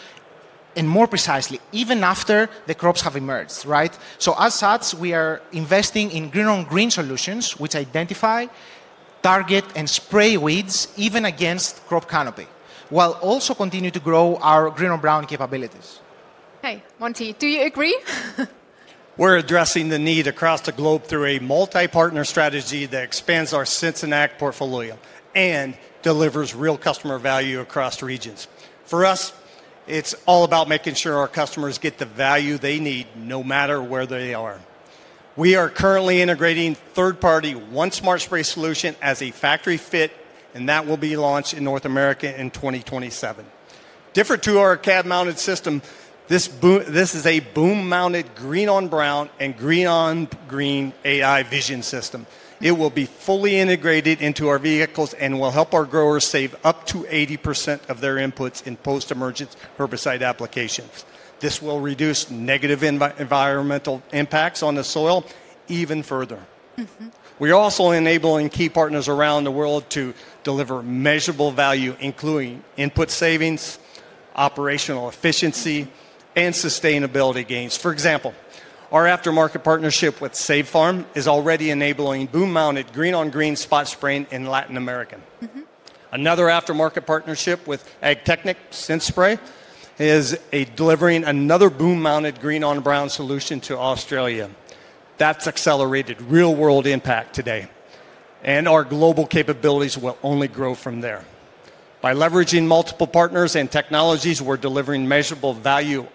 and more precisely, even after the crops have emerged, right? As such, we are investing in Green On Green solutions, which identify, target, and spray weeds even against crop canopy, while also continuing to grow our Green On Brown capabilities. Okay, Monty, do you agree? We're addressing the need across the globe through a multi-partner strategy that expands our Sysonak portfolio and delivers real customer value across regions. For us, it's all about making sure our customers get the value they need no matter where they are. We are currently integrating third-party One Smart Spray solution as a factory fit, and that will be launched in North America in 2027. Different to our cab-mounted system, this is a boom-mounted Green On Brown and Green On Green AI vision system. It will be fully integrated into our vehicles and will help our growers save up to 80% of their inputs in post-emergence herbicide applications. This will reduce negative environmental impacts on the soil even further. We are also enabling key partners around the world to deliver measurable value, including input savings, operational efficiency, and sustainability gains. For example, our aftermarket partnership with Save Farm is already enabling boom-mounted Green On Green spot spraying in Latin America. Another aftermarket partnership with Agtechniq Synspray is delivering another boom-mounted Green On Brown solution to Australia. That is accelerated real-world impact today. Our global capabilities will only grow from there. By leveraging multiple partners and technologies, we are delivering measurable value,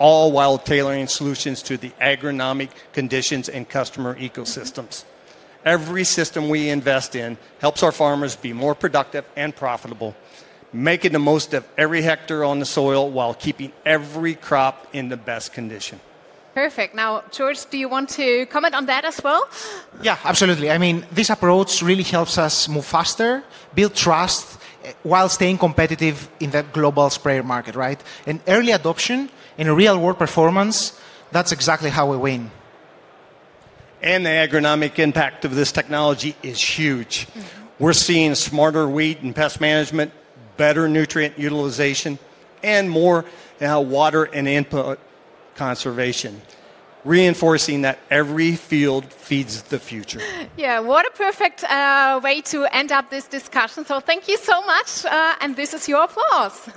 all while tailoring solutions to the agronomic conditions and customer ecosystems. Every system we invest in helps our farmers be more productive and profitable, making the most of every hectare on the soil while keeping every crop in the best condition. Perfect. Now, George, do you want to comment on that as well? Yeah, absolutely. I mean, this approach really helps us move faster, build trust, while staying competitive in the global sprayer market, right? Early adoption and real-world performance, that's exactly how we win. The agronomic impact of this technology is huge. We're seeing smarter weed and pest management, better nutrient utilization, and more water and input conservation, reinforcing that every field feeds the future. Yeah, what a perfect way to end up this discussion. Thank you so much. This is your applause.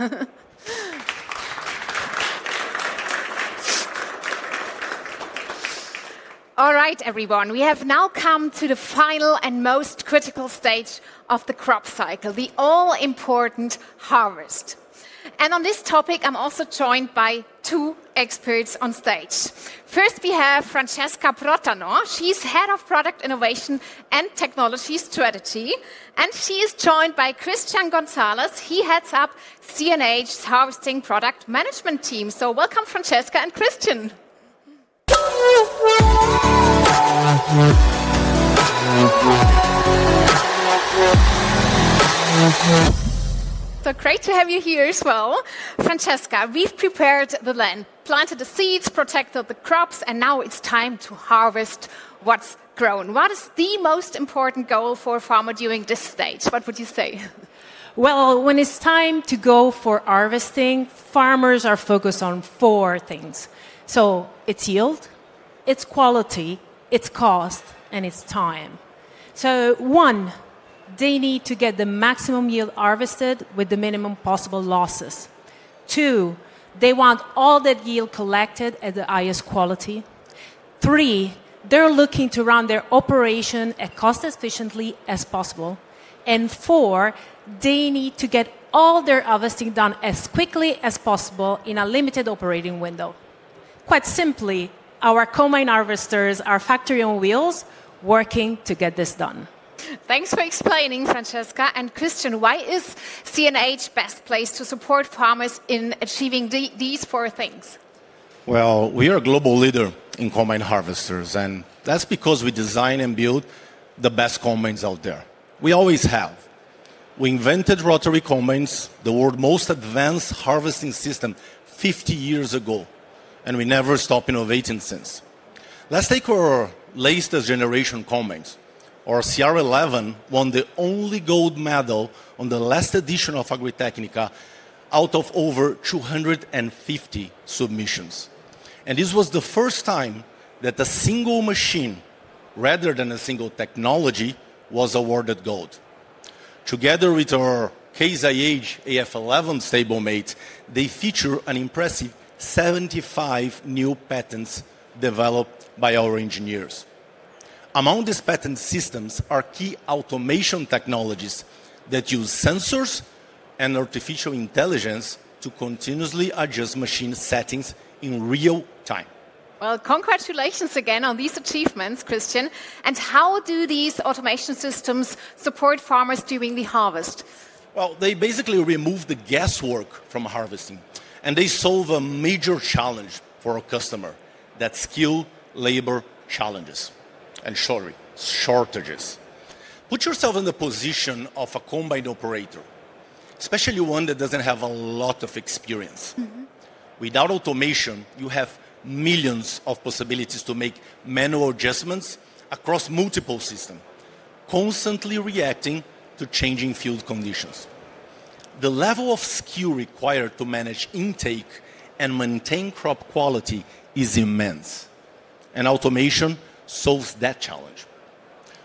All right, everyone, we have now come to the final and most critical stage of the crop cycle, the all-important harvest. On this topic, I'm also joined by two experts on stage. First, we have Francesca Protano. She's Head of Product Innovation and Technology Strategy. She is joined by Christian Gonzalez. He heads up CNH's Harvesting Product Management team. Welcome, Francesca and Christian. Great to have you here as well. Francesca, we've prepared the land, planted the seeds, protected the crops, and now it's time to harvest what's grown. What is the most important goal for a farmer during this stage? What would you say? When it's time to go for harvesting, farmers are focused on four things. It's yield, it's quality, it's cost, and it's time. One, they need to get the maximum yield harvested with the minimum possible losses. Two, they want all that yield collected at the highest quality. Three, they're looking to run their operation as cost-efficiently as possible. Four, they need to get all their harvesting done as quickly as possible in a limited operating window. Quite simply, our combine harvesters are factory on wheels working to get this done. Thanks for explaining, Francesca. Christian, why is CNH the best place to support farmers in achieving these four things? We are a global leader in combine harvesters, and that's because we design and build the best combines out there. We always have. We invented rotary combines, the world's most advanced harvesting system, 50 years ago, and we never stopped innovating since. Take our latest generation combines. Our CR11 won the only gold medal at the last edition of Agritechnica out of over 250 submissions. This was the first time that a single machine, rather than a single technology, was awarded gold. Together with our CR11 stablemate, they feature an impressive 75 new patents developed by our engineers. Among these patent systems are key automation technologies that use sensors and artificial intelligence to continuously adjust machine settings in real time. Congratulations again on these achievements, Christian. How do these automation systems support farmers during the harvest? They basically remove the guesswork from harvesting, and they solve a major challenge for a customer: skill, labor challenges, and shortages. Put yourself in the position of a combine operator, especially one that does not have a lot of experience. Without automation, you have millions of possibilities to make manual adjustments across multiple systems, constantly reacting to changing field conditions. The level of skill required to manage intake and maintain crop quality is immense, and automation solves that challenge.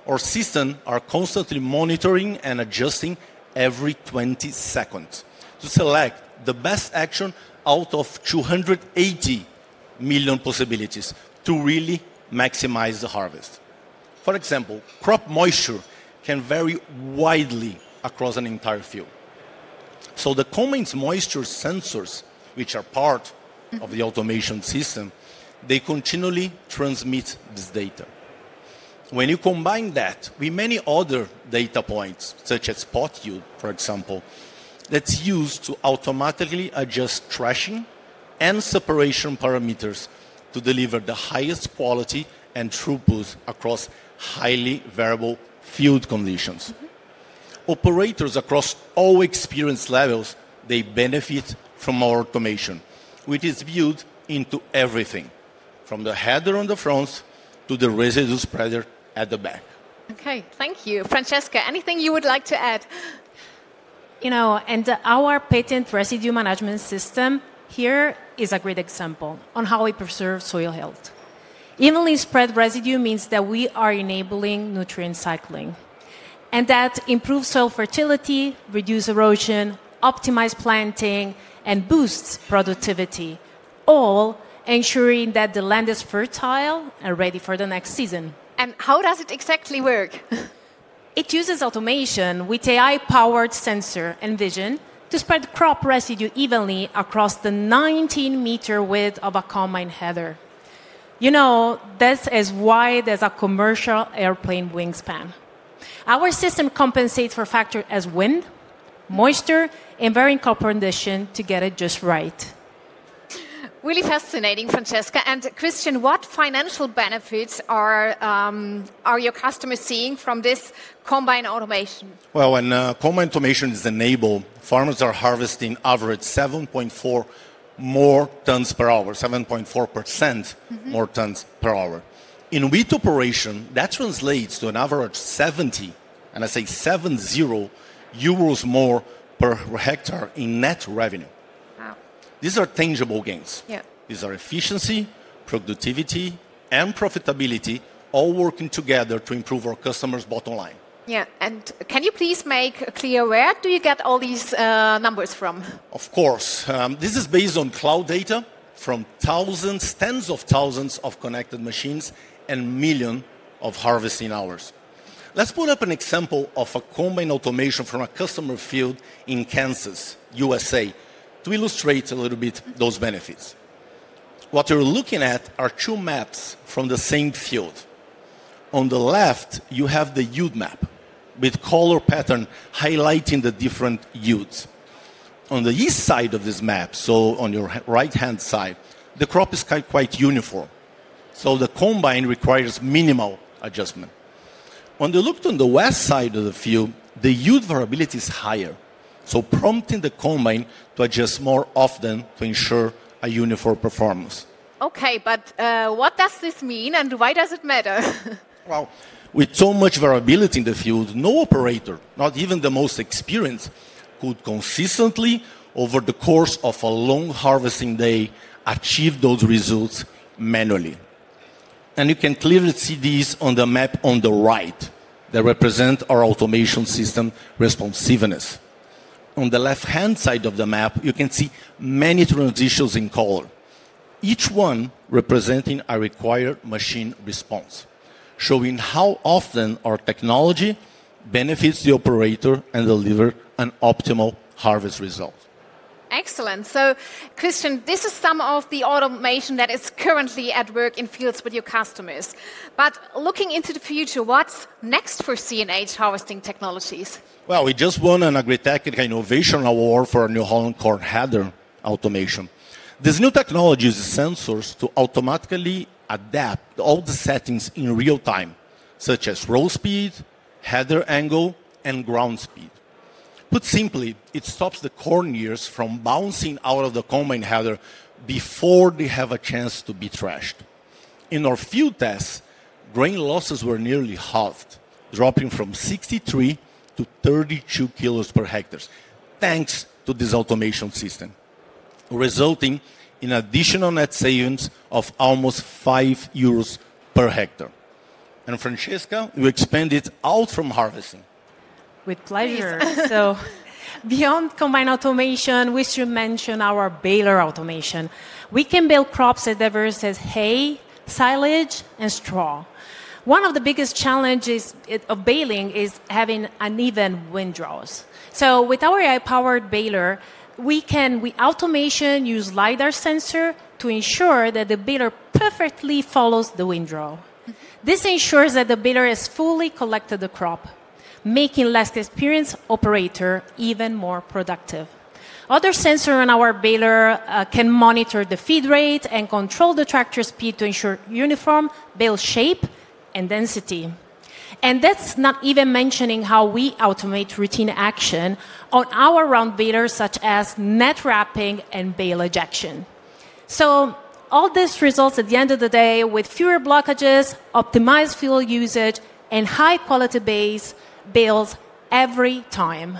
Our systems are constantly monitoring and adjusting every 20 seconds to select the best action out of 280 million possibilities to really maximize the harvest. For example, crop moisture can vary widely across an entire field. The combine's moisture sensors, which are part of the automation system, continually transmit this data. When you combine that with many other data points, such as spot yield, for example, that's used to automatically adjust threshing and separation parameters to deliver the highest quality and throughput across highly variable field conditions. Operators across all experience levels, they benefit from our automation, which is viewed into everything, from the header on the front to the residue spreader at the back. Okay, thank you. Francesca, anything you would like to add? You know, and our patent residue management system here is a great example on how we preserve soil health. Evenly spread residue means that we are enabling nutrient cycling, and that improves soil fertility, reduces erosion, optimizes planting, and boosts productivity, all ensuring that the land is fertile and ready for the next season. How does it exactly work? It uses automation with AI-powered sensors and vision to spread crop residue evenly across the 19 m width of a combine header. You know, this is why there's a commercial airplane wingspan. Our system compensates for factors such as wind, moisture, and varying crop conditions to get it just right. Really fascinating, Francesca. Christian, what financial benefits are your customers seeing from this combine automation? When combine automation is enabled, farmers are harvesting an average 7.4 more tons per hour, 7.4% more tons per hour. In wheat operation, that translates to an average 70, and I say 70 euros more per hectare in net revenue. These are tangible gains. These are efficiency, productivity, and profitability, all working together to improve our customers' bottom line. Yeah. Can you please make clear where do you get all these numbers from? Of course. This is based on cloud data from thousands, tens of thousands of connected machines and millions of harvesting hours. Let's put up an example of a combine automation from a customer field in Kansas, U.S., to illustrate a little bit those benefits. What you're looking at are two maps from the same field. On the left, you have the yield map with color pattern highlighting the different yields. On the east side of this map, so on your right-hand side, the crop is quite uniform. So the combine requires minimal adjustment. When they looked on the west side of the field, the yield variability is higher, so prompting the combine to adjust more often to ensure a uniform performance. Okay, but what does this mean and why does it matter? With so much variability in the field, no operator, not even the most experienced, could consistently, over the course of a long harvesting day, achieve those results manually. You can clearly see these on the map on the right that represent our automation system responsiveness. On the left-hand side of the map, you can see many transitions in color, each one representing a required machine response, showing how often our technology benefits the operator and delivers an optimal harvest result. Excellent. Christian, this is some of the automation that is currently at work in fields with your customers. Looking into the future, what's next for CNH harvesting technologies? We just won an Agritechnica Innovation Award for a new corn header automation. This new technology uses sensors to automatically adapt all the settings in real time, such as row speed, header angle, and ground speed. Put simply, it stops the corn ears from bouncing out of the combine header before they have a chance to be threshed. In our field tests, grain losses were nearly halved, dropping from 63 kg-32 kg per hectare, thanks to this automation system, resulting in additional net savings of almost 5 euros per hectare. Francesca, you expanded out from harvesting. With pleasure. Beyond combine automation, we should mention our baler automation. We can bale crops at diverse hay, silage, and straw. One of the biggest challenges of baling is having uneven windrows. With our AI-powered baler, we can automate using LIDAR sensors to ensure that the baler perfectly follows the windrow. This ensures that the baler has fully collected the crop, making the less experienced operator even more productive. Other sensors on our baler can monitor the feed rate and control the tractor speed to ensure uniform bale shape and density. That is not even mentioning how we automate routine action on our round balers, such as net wrapping and bale ejection. All this results at the end of the day in fewer blockages, optimized fuel usage, and high-quality bales every time.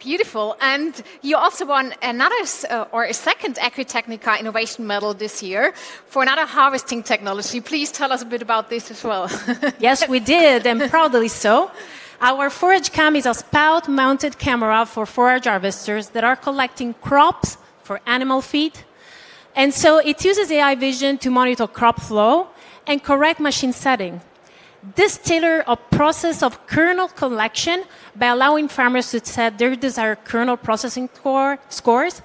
Beautiful. You also won another or a second Agritechnica Innovation Medal this year for another harvesting technology. Please tell us a bit about this as well. Yes, we did, and proudly so. Our ForageCam is a spout-mounted camera for forage harvesters that are collecting crops for animal feed. It uses AI vision to monitor crop flow and correct machine setting. This tailors a process of kernel collection by allowing farmers to set their desired kernel processing scores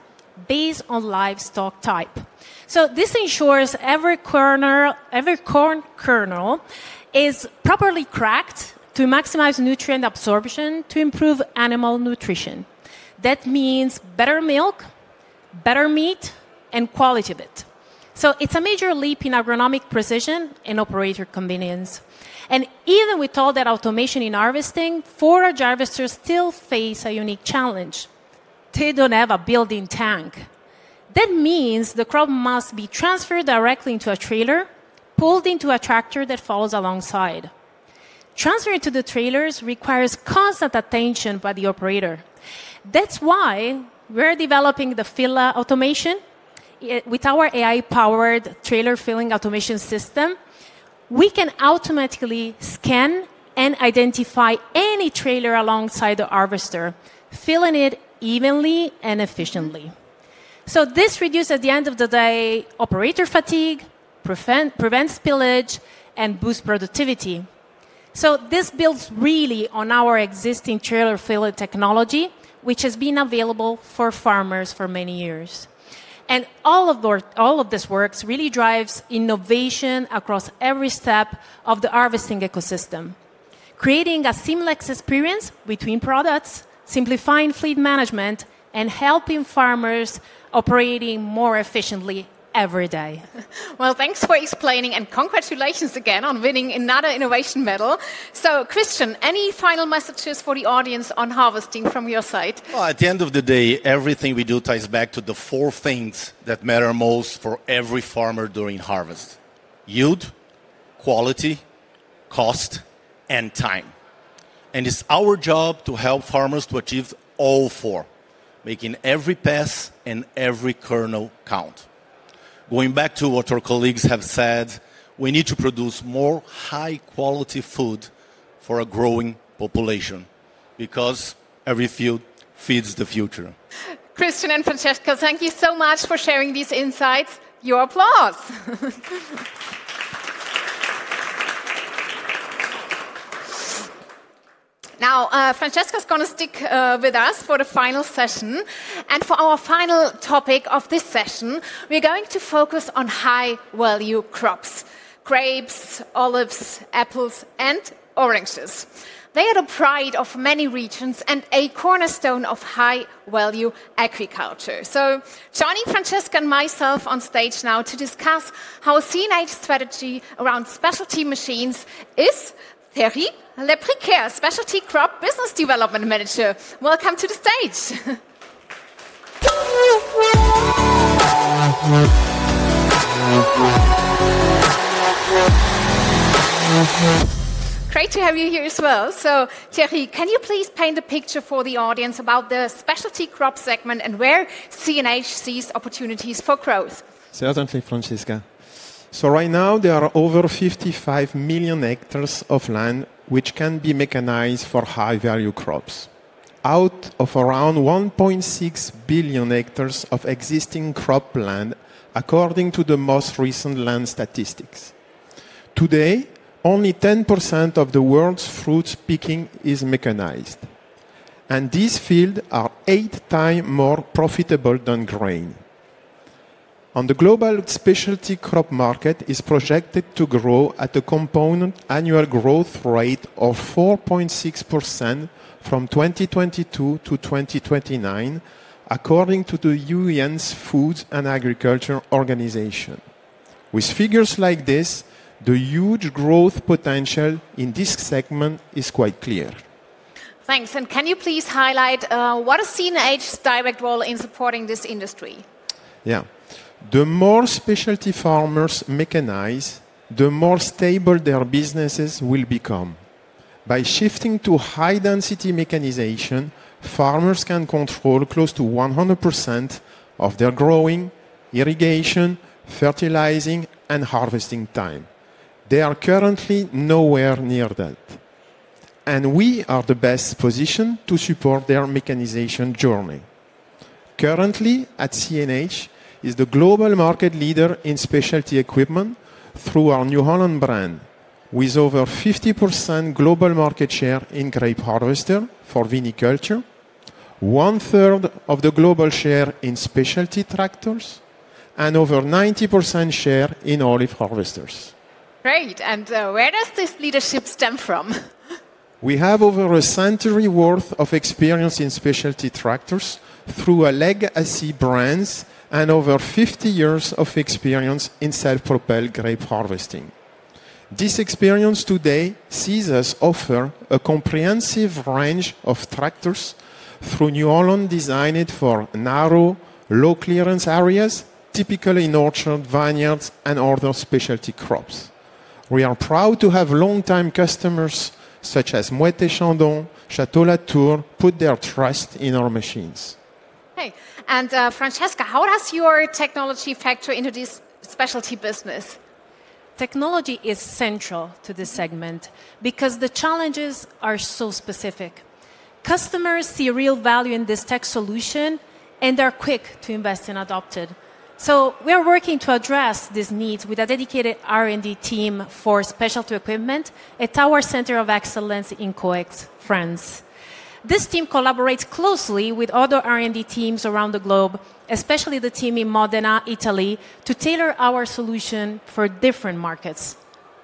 based on livestock type. This ensures every kernel is properly cracked to maximize nutrient absorption to improve animal nutrition. That means better milk, better meat, and quality of it. It is a major leap in agronomic precision and operator convenience. Even with all that automation in harvesting, forage harvesters still face a unique challenge. They do not have a building tank. That means the crop must be transferred directly into a trailer, pulled into a tractor that follows alongside. Transferring to the trailers requires constant attention by the operator. That is why we are developing the Filla automation. With our AI-powered trailer filling automation system, we can automatically scan and identify any trailer alongside the harvester, filling it evenly and efficiently. This reduces, at the end of the day, operator fatigue, prevents spillage, and boosts productivity. This builds really on our existing trailer filling technology, which has been available for farmers for many years. All of this work really drives innovation across every step of the harvesting ecosystem, creating a seamless experience between products, simplifying fleet management, and helping farmers operate more efficiently every day. Thanks for explaining, and congratulations again on winning another Innovation Medal. Christian, any final messages for the audience on harvesting from your side? At the end of the day, everything we do ties back to the four things that matter most for every farmer during harvest: yield, quality, cost, and time. It is our job to help farmers to achieve all four, making every pass and every kernel count. Going back to what our colleagues have said, we need to produce more high-quality food for a growing population because every field feeds the future. Christian and Francesca, thank you so much for sharing these insights. Your applause. Now, Francesca is going to stick with us for the final session. For our final topic of this session, we're going to focus on high-value crops: grapes, olives, apples, and oranges. They are the pride of many regions and a cornerstone of high-value agriculture. Joining Francesca and myself on stage now to discuss how a CNH strategy around specialty machines is Thierry Le Briquer, Specialty Crop Business Development Manager. Welcome to the stage. Great to have you here as well. Thierry, can you please paint a picture for the audience about the specialty crop segment and where CNH sees opportunities for growth? Certainly, Francesca. Right now, there are over 55 million hectares of land which can be mechanized for high-value crops, out of around 1.6 billion hectares of existing crop land, according to the most recent land statistics. Today, only 10% of the world's fruit picking is mechanized, and these fields are eight times more profitable than grain. On the global specialty crop market, it is projected to grow at a compound annual growth rate of 4.6% from 2022 to 2029, according to the UN's Food and Agriculture Organization. With figures like this, the huge growth potential in this segment is quite clear. Thanks. Can you please highlight what is CNH's direct role in supporting this industry? Yeah. The more specialty farmers mechanize, the more stable their businesses will become. By shifting to high-density mechanization, farmers can control close to 100% of their growing, irrigation, fertilizing, and harvesting time. They are currently nowhere near that. We are in the best position to support their mechanization journey. Currently, CNH is the global market leader in specialty equipment through our New Holland brand, with over 50% global market share in grape harvesters for viniculture, one-third of the global share in specialty tractors, and over 90% share in olive harvesters. Great. Where does this leadership stem from? We have over a century's worth of experience in specialty tractors through CNH brands and over 50 years of experience in self-propelled grape harvesting. This experience today sees us offer a comprehensive range of tractors through New Holland designed for narrow, low-clearance areas, typically in orchards, vineyards, and other specialty crops. We are proud to have longtime customers such as Moët & Chandon, Château Latour put their trust in our machines. Okay. Francesca, how does your technology factor into this specialty business? Technology is central to this segment because the challenges are so specific. Customers see real value in this tech solution and are quick to invest and adopt it. We are working to address these needs with a dedicated R&D team for specialty equipment at our Center of Excellence in Ploufragan, France. This team collaborates closely with other R&D teams around the globe, especially the team in Modena, Italy, to tailor our solution for different markets.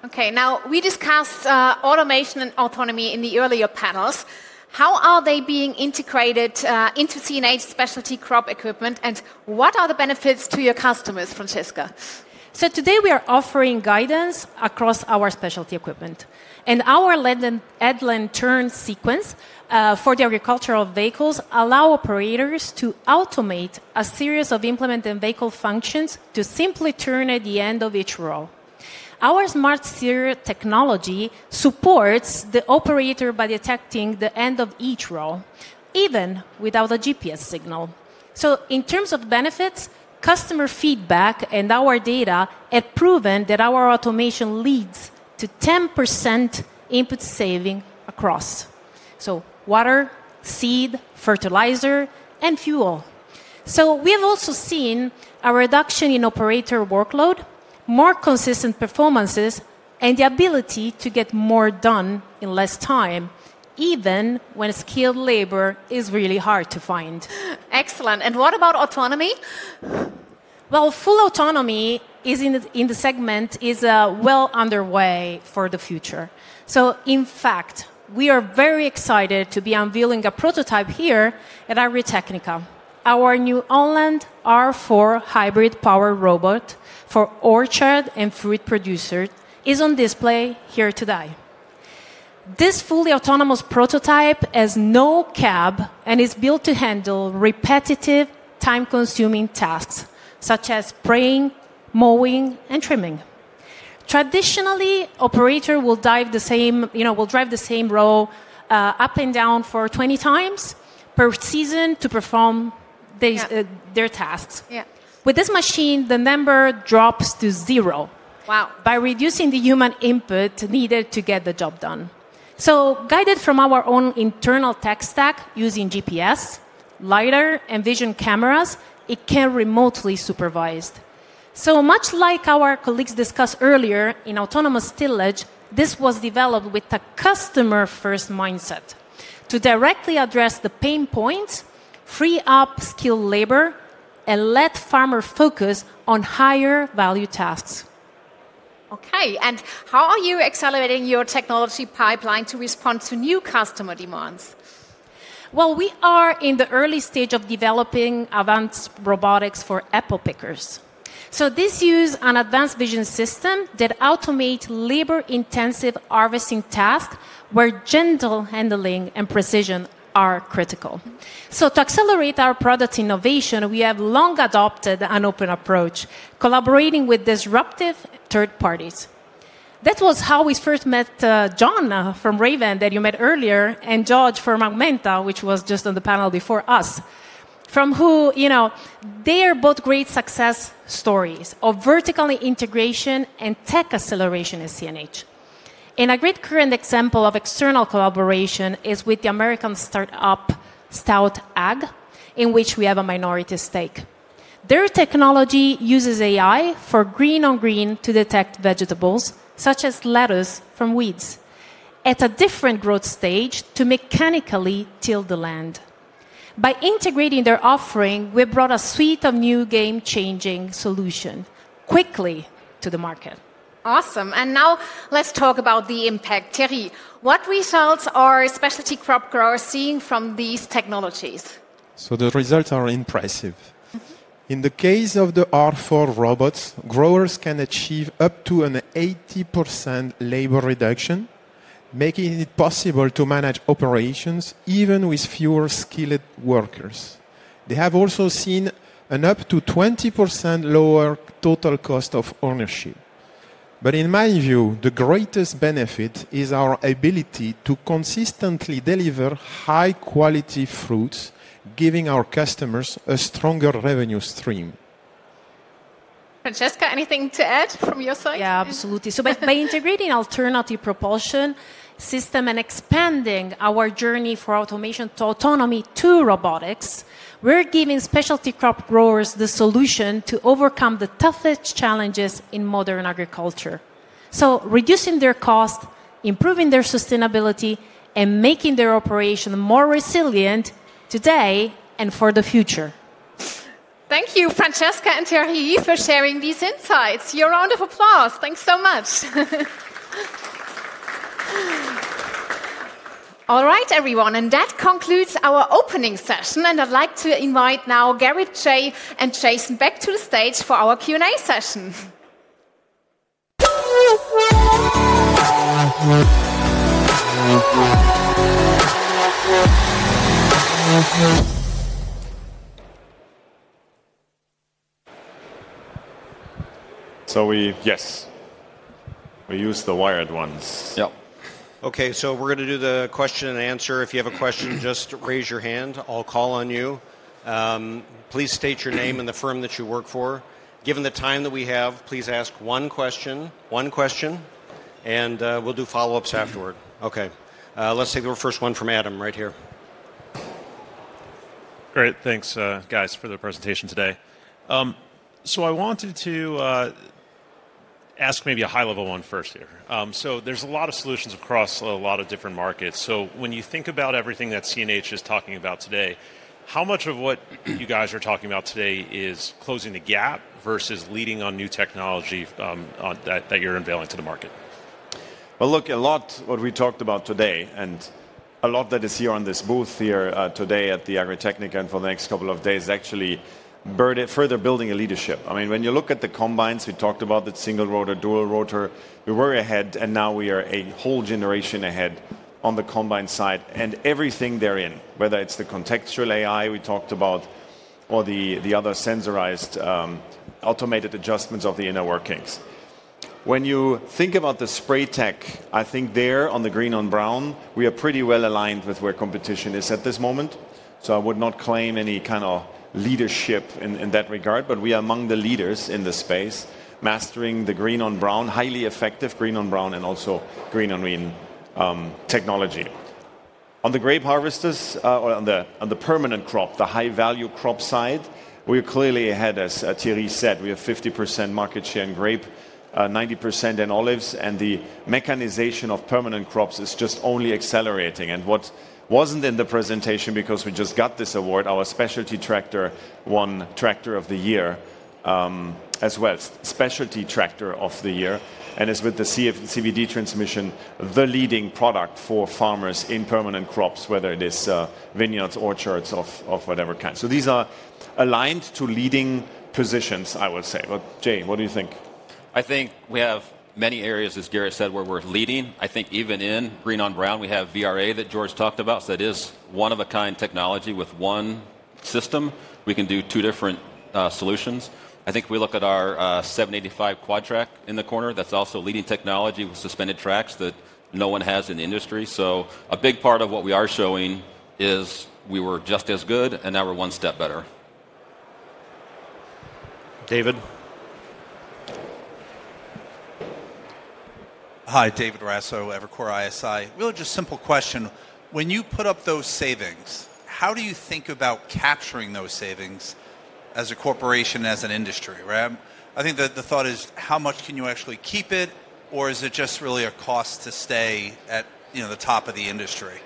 Okay. Now, we discussed automation and autonomy in the earlier panels. How are they being integrated into CNH specialty crop equipment, and what are the benefits to your customers, Francesca? Today, we are offering guidance across our specialty equipment. Our LEDL and turn sequence for the agricultural vehicles allow operators to automate a series of implement and vehicle functions to simply turn at the end of each row. Our smart steer technology supports the operator by detecting the end of each row, even without a GPS signal. In terms of benefits, customer feedback and our data have proven that our automation leads to 10% input saving across water, seed, fertilizer, and fuel. We have also seen a reduction in operator workload, more consistent performances, and the ability to get more done in less time, even when skilled labor is really hard to find. Excellent. What about autonomy? Full autonomy in the segment is well underway for the future. In fact, we are very excited to be unveiling a prototype here at Agritechnica. Our New Holland R4 hybrid power robot for orchard and fruit producers is on display here today. This fully autonomous prototype has no cab and is built to handle repetitive, time-consuming tasks such as spraying, mowing, and trimming. Traditionally, operators will drive the same row up and down 20x per season to perform their tasks. With this machine, the number drops to zero by reducing the human input needed to get the job done. Guided from our own internal tech stack using GPS, LIDAR, and vision cameras, it can be remotely supervised. Much like our colleagues discussed earlier in autonomous tillage, this was developed with a customer-first mindset to directly address the pain points, free up skilled labor, and let farmers focus on higher-value tasks. Okay. How are you accelerating your technology pipeline to respond to new customer demands? We are in the early stage of developing advanced robotics for apple pickers. This uses an advanced vision system that automates labor-intensive harvesting tasks where gentle handling and precision are critical. To accelerate our product innovation, we have long adopted an open approach, collaborating with disruptive third parties. That was how we first met John from Raven that you met earlier and George from Augmenta, which was just on the panel before us, from whom there are both great success stories of vertical integration and tech acceleration at CNH. A great current example of external collaboration is with the American startup Stout Ag, in which we have a minority stake. Their technology uses AI for green-on-green to detect vegetables, such as lettuce from weeds, at a different growth stage to mechanically till the land. By integrating their offering, we brought a suite of new game-changing solutions quickly to the market. Awesome. Now let's talk about the impact. Thierry, what results are specialty crop growers seeing from these technologies? The results are impressive. In the case of the R4 robots, growers can achieve up to an 80% labor reduction, making it possible to manage operations even with fewer skilled workers. They have also seen up to a 20% lower total cost of ownership. In my view, the greatest benefit is our ability to consistently deliver high-quality fruits, giving our customers a stronger revenue stream. Francesca, anything to add from your side? Yeah, absolutely. By integrating alternative propulsion systems and expanding our journey for automation to autonomy to robotics, we're giving specialty crop growers the solution to overcome the toughest challenges in modern agriculture. Reducing their costs, improving their sustainability, and making their operation more resilient today and for the future. Thank you, Francesca and Thierry, for sharing these insights. Your round of applause. Thanks so much. All right, everyone. That concludes our opening session. I'd like to invite now Garry, Jay, and Jason back to the stage for our Q&A session. Yes, we use the wired ones. Yeah. Okay. So we're going to do the question and answer. If you have a question, just raise your hand. I'll call on you. Please state your name and the firm that you work for. Given the time that we have, please ask one question, one question, and we'll do follow-ups afterward. Okay. Let's take the first one from Adam right here. Great. Thanks, guys, for the presentation today. I wanted to ask maybe a high-level one first here. There's a lot of solutions across a lot of different markets. When you think about everything that CNH is talking about today, how much of what you guys are talking about today is closing the gap versus leading on new technology that you're unveiling to the market? A lot of what we talked about today and a lot of that is here on this booth here today at the Agritechnica and for the next couple of days actually further building a leadership. I mean, when you look at the combines we talked about, the single-rotor, dual-rotor, we were ahead, and now we are a whole generation ahead on the combine side and everything therein, whether it is the contextual AI we talked about or the other sensorized automated adjustments of the inner workings. When you think about the spray tech, I think there on the green-on-brown, we are pretty well aligned with where competition is at this moment. I would not claim any kind of leadership in that regard, but we are among the leaders in the space, mastering the green-on-brown, highly effective green-on-brown, and also green-on-green technology. On the grape harvesters or on the permanent crop, the high-value crop side, we are clearly ahead, as Thierry said. We have 50% market share in grape, 90% in olives, and the mechanization of permanent crops is just only accelerating. What was not in the presentation, because we just got this award, our specialty tractor won Tractor of the Year as well, Specialty Tractor of the Year, and is with the CVT transmission, the leading product for farmers in permanent crops, whether it is vineyards, orchards, of whatever kind. These are aligned to leading positions, I would say. Jay, what do you think? I think we have many areas, as Garry said, where we're leading. I think even in Green On Brown, we have VRA that George talked about. That is one-of-a-kind technology with one system. We can do two different solutions. I think we look at our 785 Quadtrac in the corner. That's also leading technology with suspended tracks that no one has in the industry. A big part of what we are showing is we were just as good, and now we're one step better. David. Hi, David Raso, Evercore ISI. Really just a simple question. When you put up those savings, how do you think about capturing those savings as a corporation, as an industry? I think the thought is, how much can you actually keep it, or is it just really a cost to stay at the top of the industry?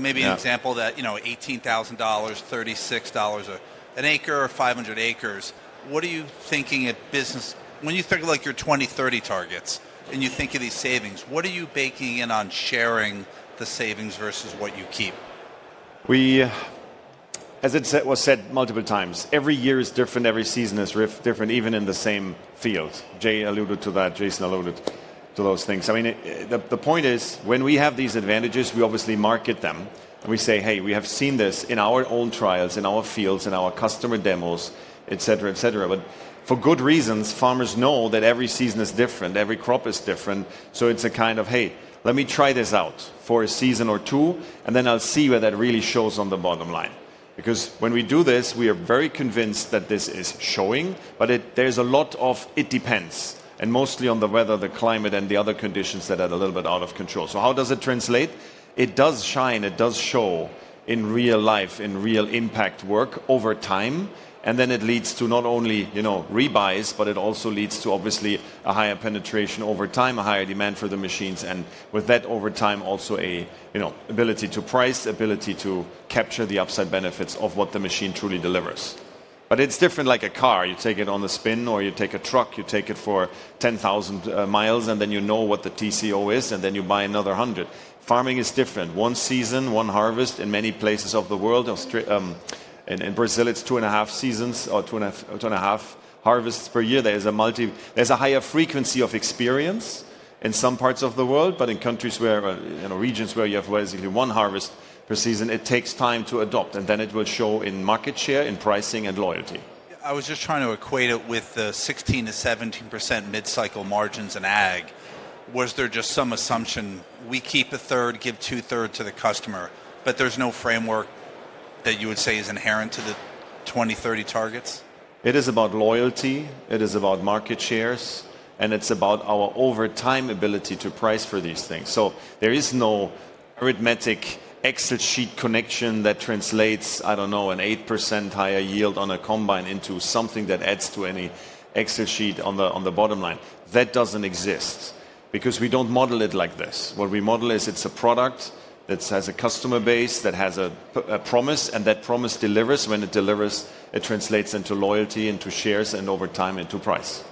Maybe an example of that, $18,000, $36 an acre, 500 acres. What are you thinking at business? When you think of your 2030 targets and you think of these savings, what are you baking in on sharing the savings versus what you keep? As it was said multiple times, every year is different. Every season is different, even in the same field. Jay alluded to that. Jason alluded to those things. I mean, the point is, when we have these advantages, we obviously market them. We say, hey, we have seen this in our own trials, in our fields, in our customer demos, et cetera, et cetera. For good reasons, farmers know that every season is different. Every crop is different. It is a kind of, hey, let me try this out for a season or two, and then I'll see where that really shows on the bottom line. Because when we do this, we are very convinced that this is showing, but there is a lot of it depends, and mostly on the weather, the climate, and the other conditions that are a little bit out of control. How does it translate? It does shine. It does show in real life, in real impact work over time. It leads to not only rebuys, but it also leads to, obviously, a higher penetration over time, a higher demand for the machines, and with that, over time, also an ability to price, the ability to capture the upside benefits of what the machine truly delivers. It is different like a car. You take it on the spin, or you take a truck. You take it for 10,000 mi, and then you know what the TCO is, and then you buy another 100. Farming is different. One season, one harvest. In many places of the world, in Brazil, it is two and a half seasons or two and a half harvests per year. There's a higher frequency of experience in some parts of the world, but in countries or regions where you have basically one harvest per season, it takes time to adopt, and then it will show in market share, in pricing, and loyalty. I was just trying to equate it with the 16%-17% mid-cycle margins in ag. Was there just some assumption, we keep a third, give two-thirds to the customer, but there's no framework that you would say is inherent to the 2030 targets? It is about loyalty. It is about market shares, and it's about our overtime ability to price for these things. There is no arithmetic Excel sheet connection that translates, I don't know, an 8% higher yield on a combine into something that adds to any Excel sheet on the bottom line. That doesn't exist because we don't model it like this. What we model is it's a product that has a customer base that has a promise, and that promise delivers. When it delivers, it translates into loyalty, into shares, and over time into price.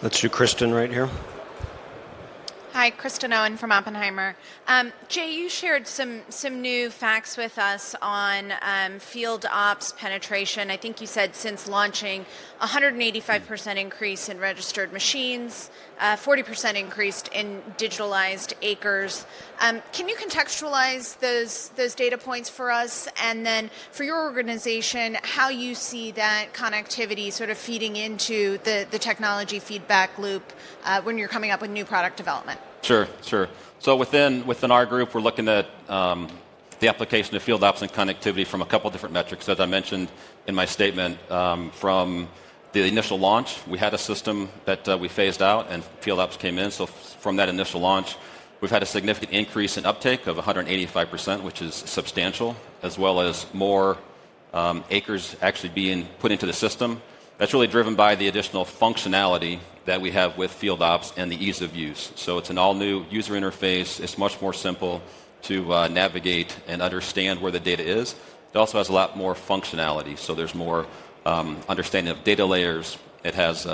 That's you, Kristen, right here. Hi, Kristen Owen from Oppenheimer. Jay, you shared some new facts with us on FieldOps penetration. I think you said since launching, 185% increase in registered machines, 40% increase in digitalized acres. Can you contextualize those data points for us? For your organization, how you see that connectivity sort of feeding into the technology feedback loop when you're coming up with new product development? Sure, sure. Within our group, we're looking at the application of FieldOps and connectivity from a couple of different metrics. As I mentioned in my statement, from the initial launch, we had a system that we phased out, and FieldOps came in. From that initial launch, we've had a significant increase in uptake of 185%, which is substantial, as well as more acres actually being put into the system. That's really driven by the additional functionality that we have with FieldOps and the ease of use. It's an all-new user interface. It's much more simple to navigate and understand where the data is. It also has a lot more functionality. There's more understanding of data layers. It has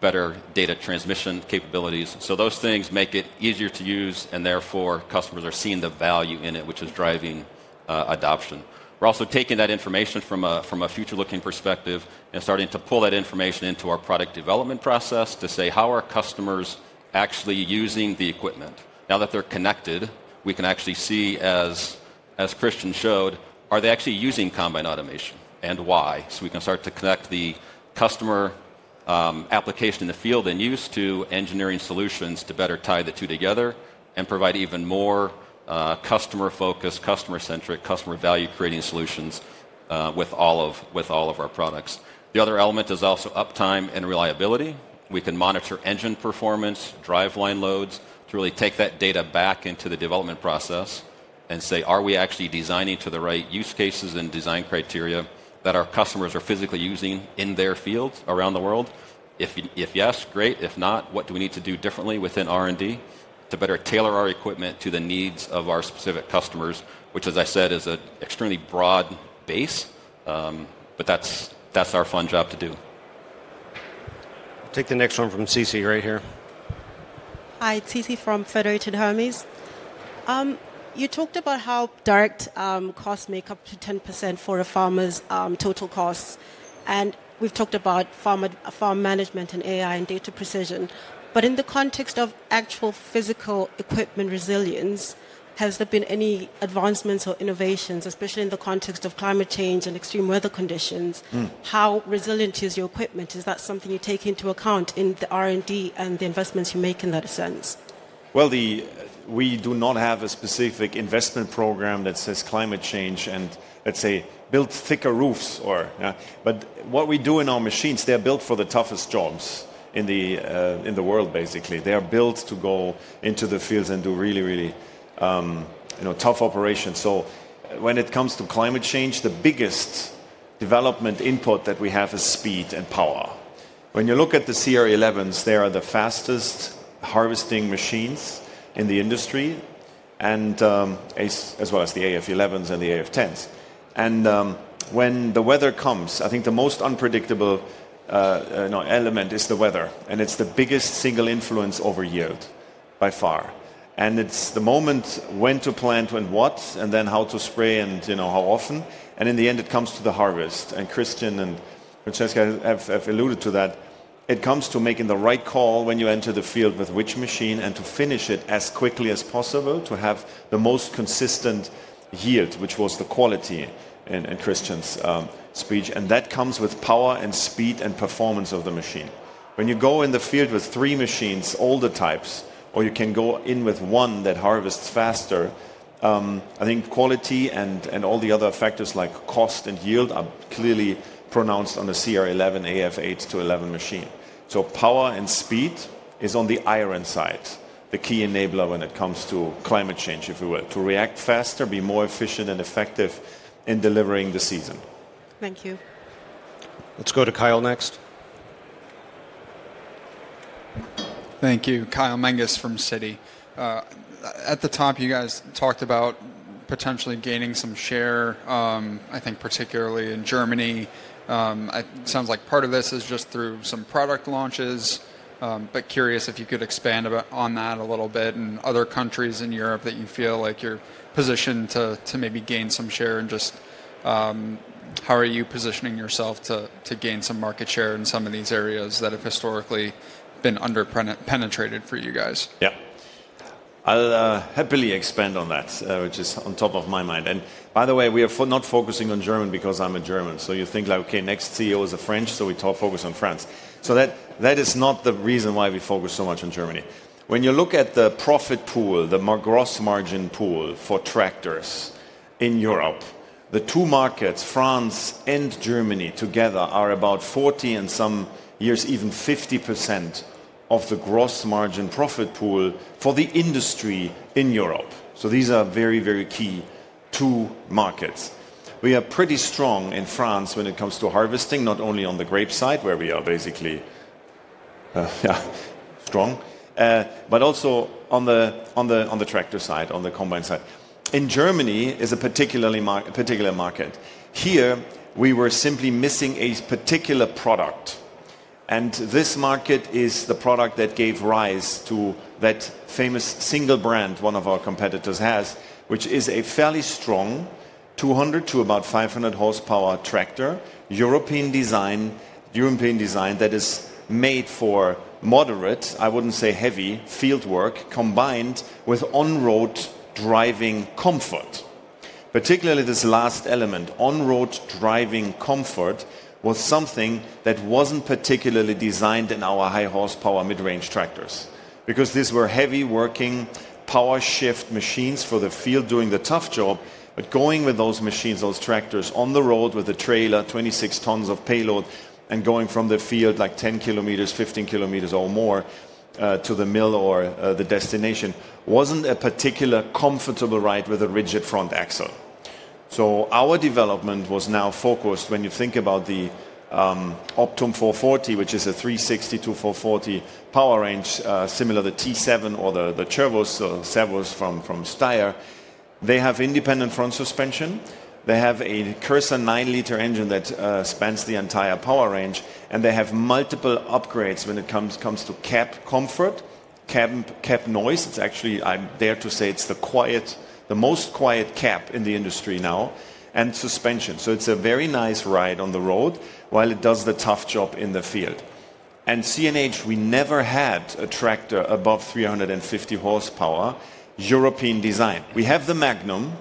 better data transmission capabilities. Those things make it easier to use, and therefore, customers are seeing the value in it, which is driving adoption. We're also taking that information from a future-looking perspective and starting to pull that information into our product development process to say, how are customers actually using the equipment? Now that they're connected, we can actually see, as Kristen showed, are they actually using combine automation and why? We can start to connect the customer application in the field and use to engineering solutions to better tie the two together and provide even more customer-focused, customer-centric, customer-value-creating solutions with all of our products. The other element is also uptime and reliability. We can monitor engine performance, driveline loads to really take that data back into the development process and say, are we actually designing to the right use cases and design criteria that our customers are physically using in their fields around the world? If yes, great. If not, what do we need to do differently within R&D to better tailor our equipment to the needs of our specific customers, which, as I said, is an extremely broad base, but that is our fun job to do. Take the next one from CNH right here. Hi, Tsitsi from Federated Hermes. You talked about how direct costs make up to 10% for a farmer's total costs. We have talked about farm management and AI and data precision. In the context of actual physical equipment resilience, has there been any advancements or innovations, especially in the context of climate change and extreme weather conditions? How resilient is your equipment? Is that something you take into account in the R&D and the investments you make in that sense? We do not have a specific investment program that says climate change and, let's say, build thicker roofs. What we do in our machines, they're built for the toughest jobs in the world, basically. They are built to go into the fields and do really, really tough operations. When it comes to climate change, the biggest development input that we have is speed and power. When you look at the CR11s, they are the fastest harvesting machines in the industry, as well as the AF11s and the AF10s. When the weather comes, I think the most unpredictable element is the weather, and it's the biggest single influence over yield by far. It's the moment when to plant, when what, and then how to spray and how often. In the end, it comes to the harvest. Kristen and Francesca have alluded to that. It comes to making the right call when you enter the field with which machine and to finish it as quickly as possible to have the most consistent yield, which was the quality in Kristen's speech. That comes with power and speed and performance of the machine. When you go in the field with three machines, all the types, or you can go in with one that harvests faster, I think quality and all the other factors like cost and yield are clearly pronounced on the CR11, AF8 to 11 machine. Power and speed is on the iron side, the key enabler when it comes to climate change, if you will, to react faster, be more efficient and effective in delivering the season. Thank you. Let's go to Kyle next. Thank you. Kyle Menges from Citi. At the top, you guys talked about potentially gaining some share, I think particularly in Germany. It sounds like part of this is just through some product launches, but curious if you could expand on that a little bit and other countries in Europe that you feel like you're positioned to maybe gain some share. Just how are you positioning yourself to gain some market share in some of these areas that have historically been under-penetrated for you guys? Yeah. I'll happily expand on that, which is on top of my mind. And by the way, we are not focusing on Germany because I'm a German. You think like, okay, next CEO is a French, so we focus on France. That is not the reason why we focus so much on Germany. When you look at the profit pool, the gross margin pool for tractors in Europe, the two markets, France and Germany together, are about 40% and some years, even 50% of the gross margin profit pool for the industry in Europe. These are very, very key two markets. We are pretty strong in France when it comes to harvesting, not only on the grape side where we are basically strong, but also on the tractor side, on the combine side. In Germany is a particular market. Here, we were simply missing a particular product. This market is the product that gave rise to that famous single brand one of our competitors has, which is a fairly strong 200 horsepower-500 horsepower tractor, European design, European design that is made for moderate, I would not say heavy field work, combined with on-road driving comfort. Particularly this last element, on-road driving comfort, was something that was not particularly designed in our high horsepower mid-range tractors because these were heavy working power shift machines for the field doing the tough job. Going with those machines, those tractors on the road with a trailer, 26 tons of payload, and going from the field like 10 km, 15 km or more to the mill or the destination was not a particularly comfortable ride with a rigid front axle. Our development was now focused, when you think about the Optum 440, which is a 360-440 power range, similar to the T7 or the Turbos from Steyr. They have independent front suspension. They have a Cursor 9 L engine that spans the entire power range, and they have multiple upgrades when it comes to cab comfort, cab noise. It's actually, I dare to say, it's the most quiet cab in the industry now, and suspension. It's a very nice ride on the road while it does the tough job in the field. CNH, we never had a tractor above 350 horsepower, European design. We have the Magnum.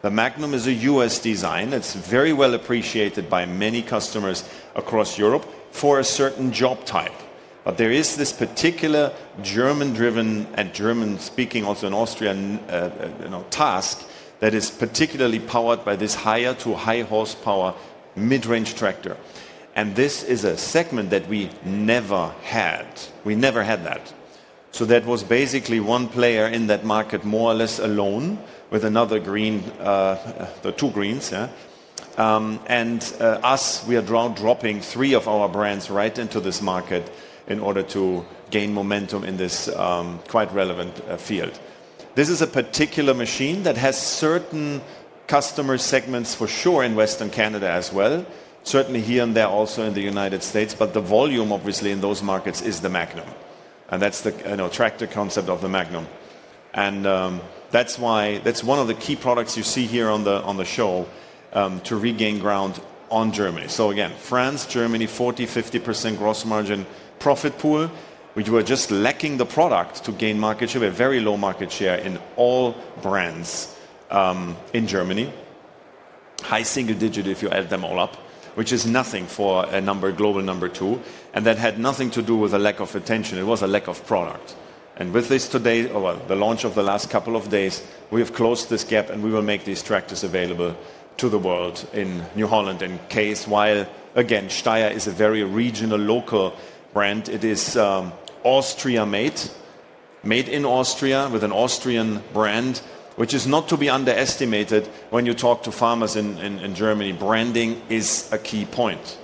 The Magnum is a U.S. design. It's very well appreciated by many customers across Europe for a certain job type. There is this particular German-driven and German-speaking also in Austria task that is particularly powered by this higher to high horsepower mid-range tractor. This is a segment that we never had. We never had that. That was basically one player in that market more or less alone with another green, the two greens. Us, we are dropping three of our brands right into this market in order to gain momentum in this quite relevant field. This is a particular machine that has certain customer segments for sure in Western Canada as well, certainly here and there also in the United States, but the volume obviously in those markets is the Magnum. That is the tractor concept of the Magnum. That is one of the key products you see here on the show to regain ground on Germany. Again, France, Germany, 40%-50% gross margin profit pool, which we're just lacking the product to gain market share. We have very low market share in all brands in Germany, high single digit if you add them all up, which is nothing for a number, global number two. That had nothing to do with a lack of attention. It was a lack of product. With this today, or the launch of the last couple of days, we have closed this gap, and we will make these tractors available to the world in New Holland and Case IH. Again, Steyr is a very regional local brand. It is Austria-made, made in Austria with an Austrian brand, which is not to be underestimated when you talk to farmers in Germany. Branding is a key point.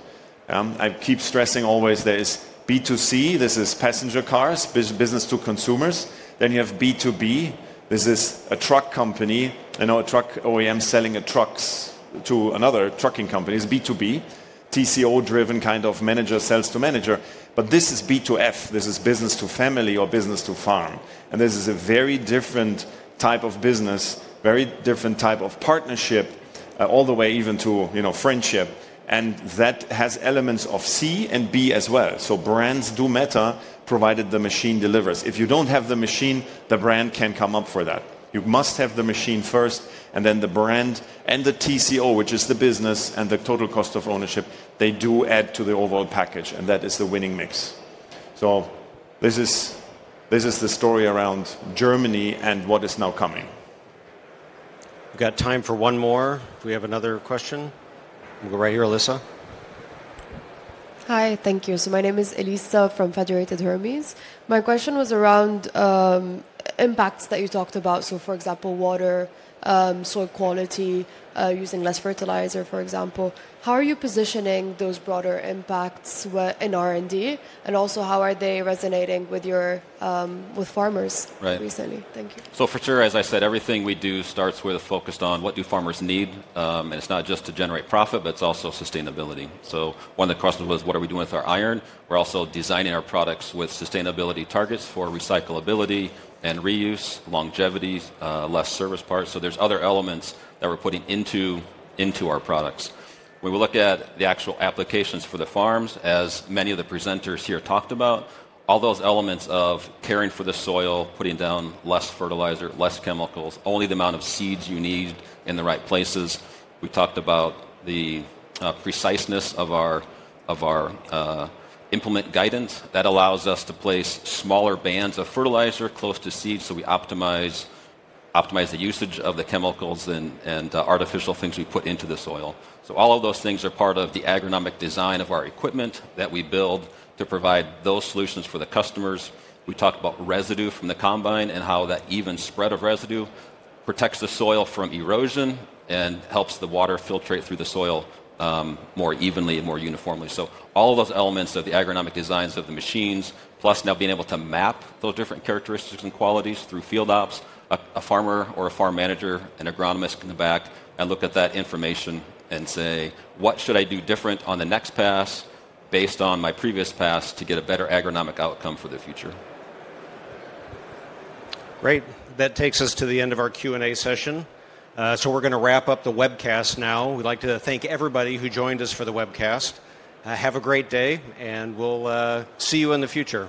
I keep stressing always there is B2C. This is passenger cars, business to consumers. You have B2B. This is a truck company. I know a truck OEM selling a truck to another trucking company is B2B, TCO-driven kind of manager sells to manager. This is B2F. This is business to family or business to farm. This is a very different type of business, very different type of partnership all the way even to friendship. That has elements of C and B as well. Brands do matter provided the machine delivers. If you do not have the machine, the brand can come up for that. You must have the machine first, and then the brand and the TCO, which is the business and the total cost of ownership, they do add to the overall package, and that is the winning mix. This is the story around Germany and what is now coming. We've got time for one more. Do we have another question? We'll go right here, Elisa. Hi, thank you. My name is Elisa from Federated Hermes. My question was around impacts that you talked about. For example, water, soil quality, using less fertilizer, for example. How are you positioning those broader impacts in R&D? Also, how are they resonating with farmers recently? Thank you. As I said, everything we do starts with focused on what do farmers need. It's not just to generate profit, but it's also sustainability. One of the questions was, what are we doing with our iron? We're also designing our products with sustainability targets for recyclability and reuse, longevity, less service parts. There are other elements that we're putting into our products. When we look at the actual applications for the farms, as many of the presenters here talked about, all those elements of caring for the soil, putting down less fertilizer, less chemicals, only the amount of seeds you need in the right places. We talked about the preciseness of our implement guidance that allows us to place smaller bands of fertilizer close to seeds so we optimize the usage of the chemicals and artificial things we put into the soil. All of those things are part of the agronomic design of our equipment that we build to provide those solutions for the customers. We talked about residue from the combine and how that even spread of residue protects the soil from erosion and helps the water filtrate through the soil more evenly and more uniformly. All of those elements of the agronomic designs of the machines, plus now being able to map those different characteristics and qualities through FieldOps, a farmer or a farm manager, an agronomist in the back, can look at that information and say, what should I do different on the next pass based on my previous pass to get a better agronomic outcome for the future? Great. That takes us to the end of our Q&A session. We are going to wrap up the webcast now. We would like to thank everybody who joined us for the webcast. Have a great day, and we will see you in the future.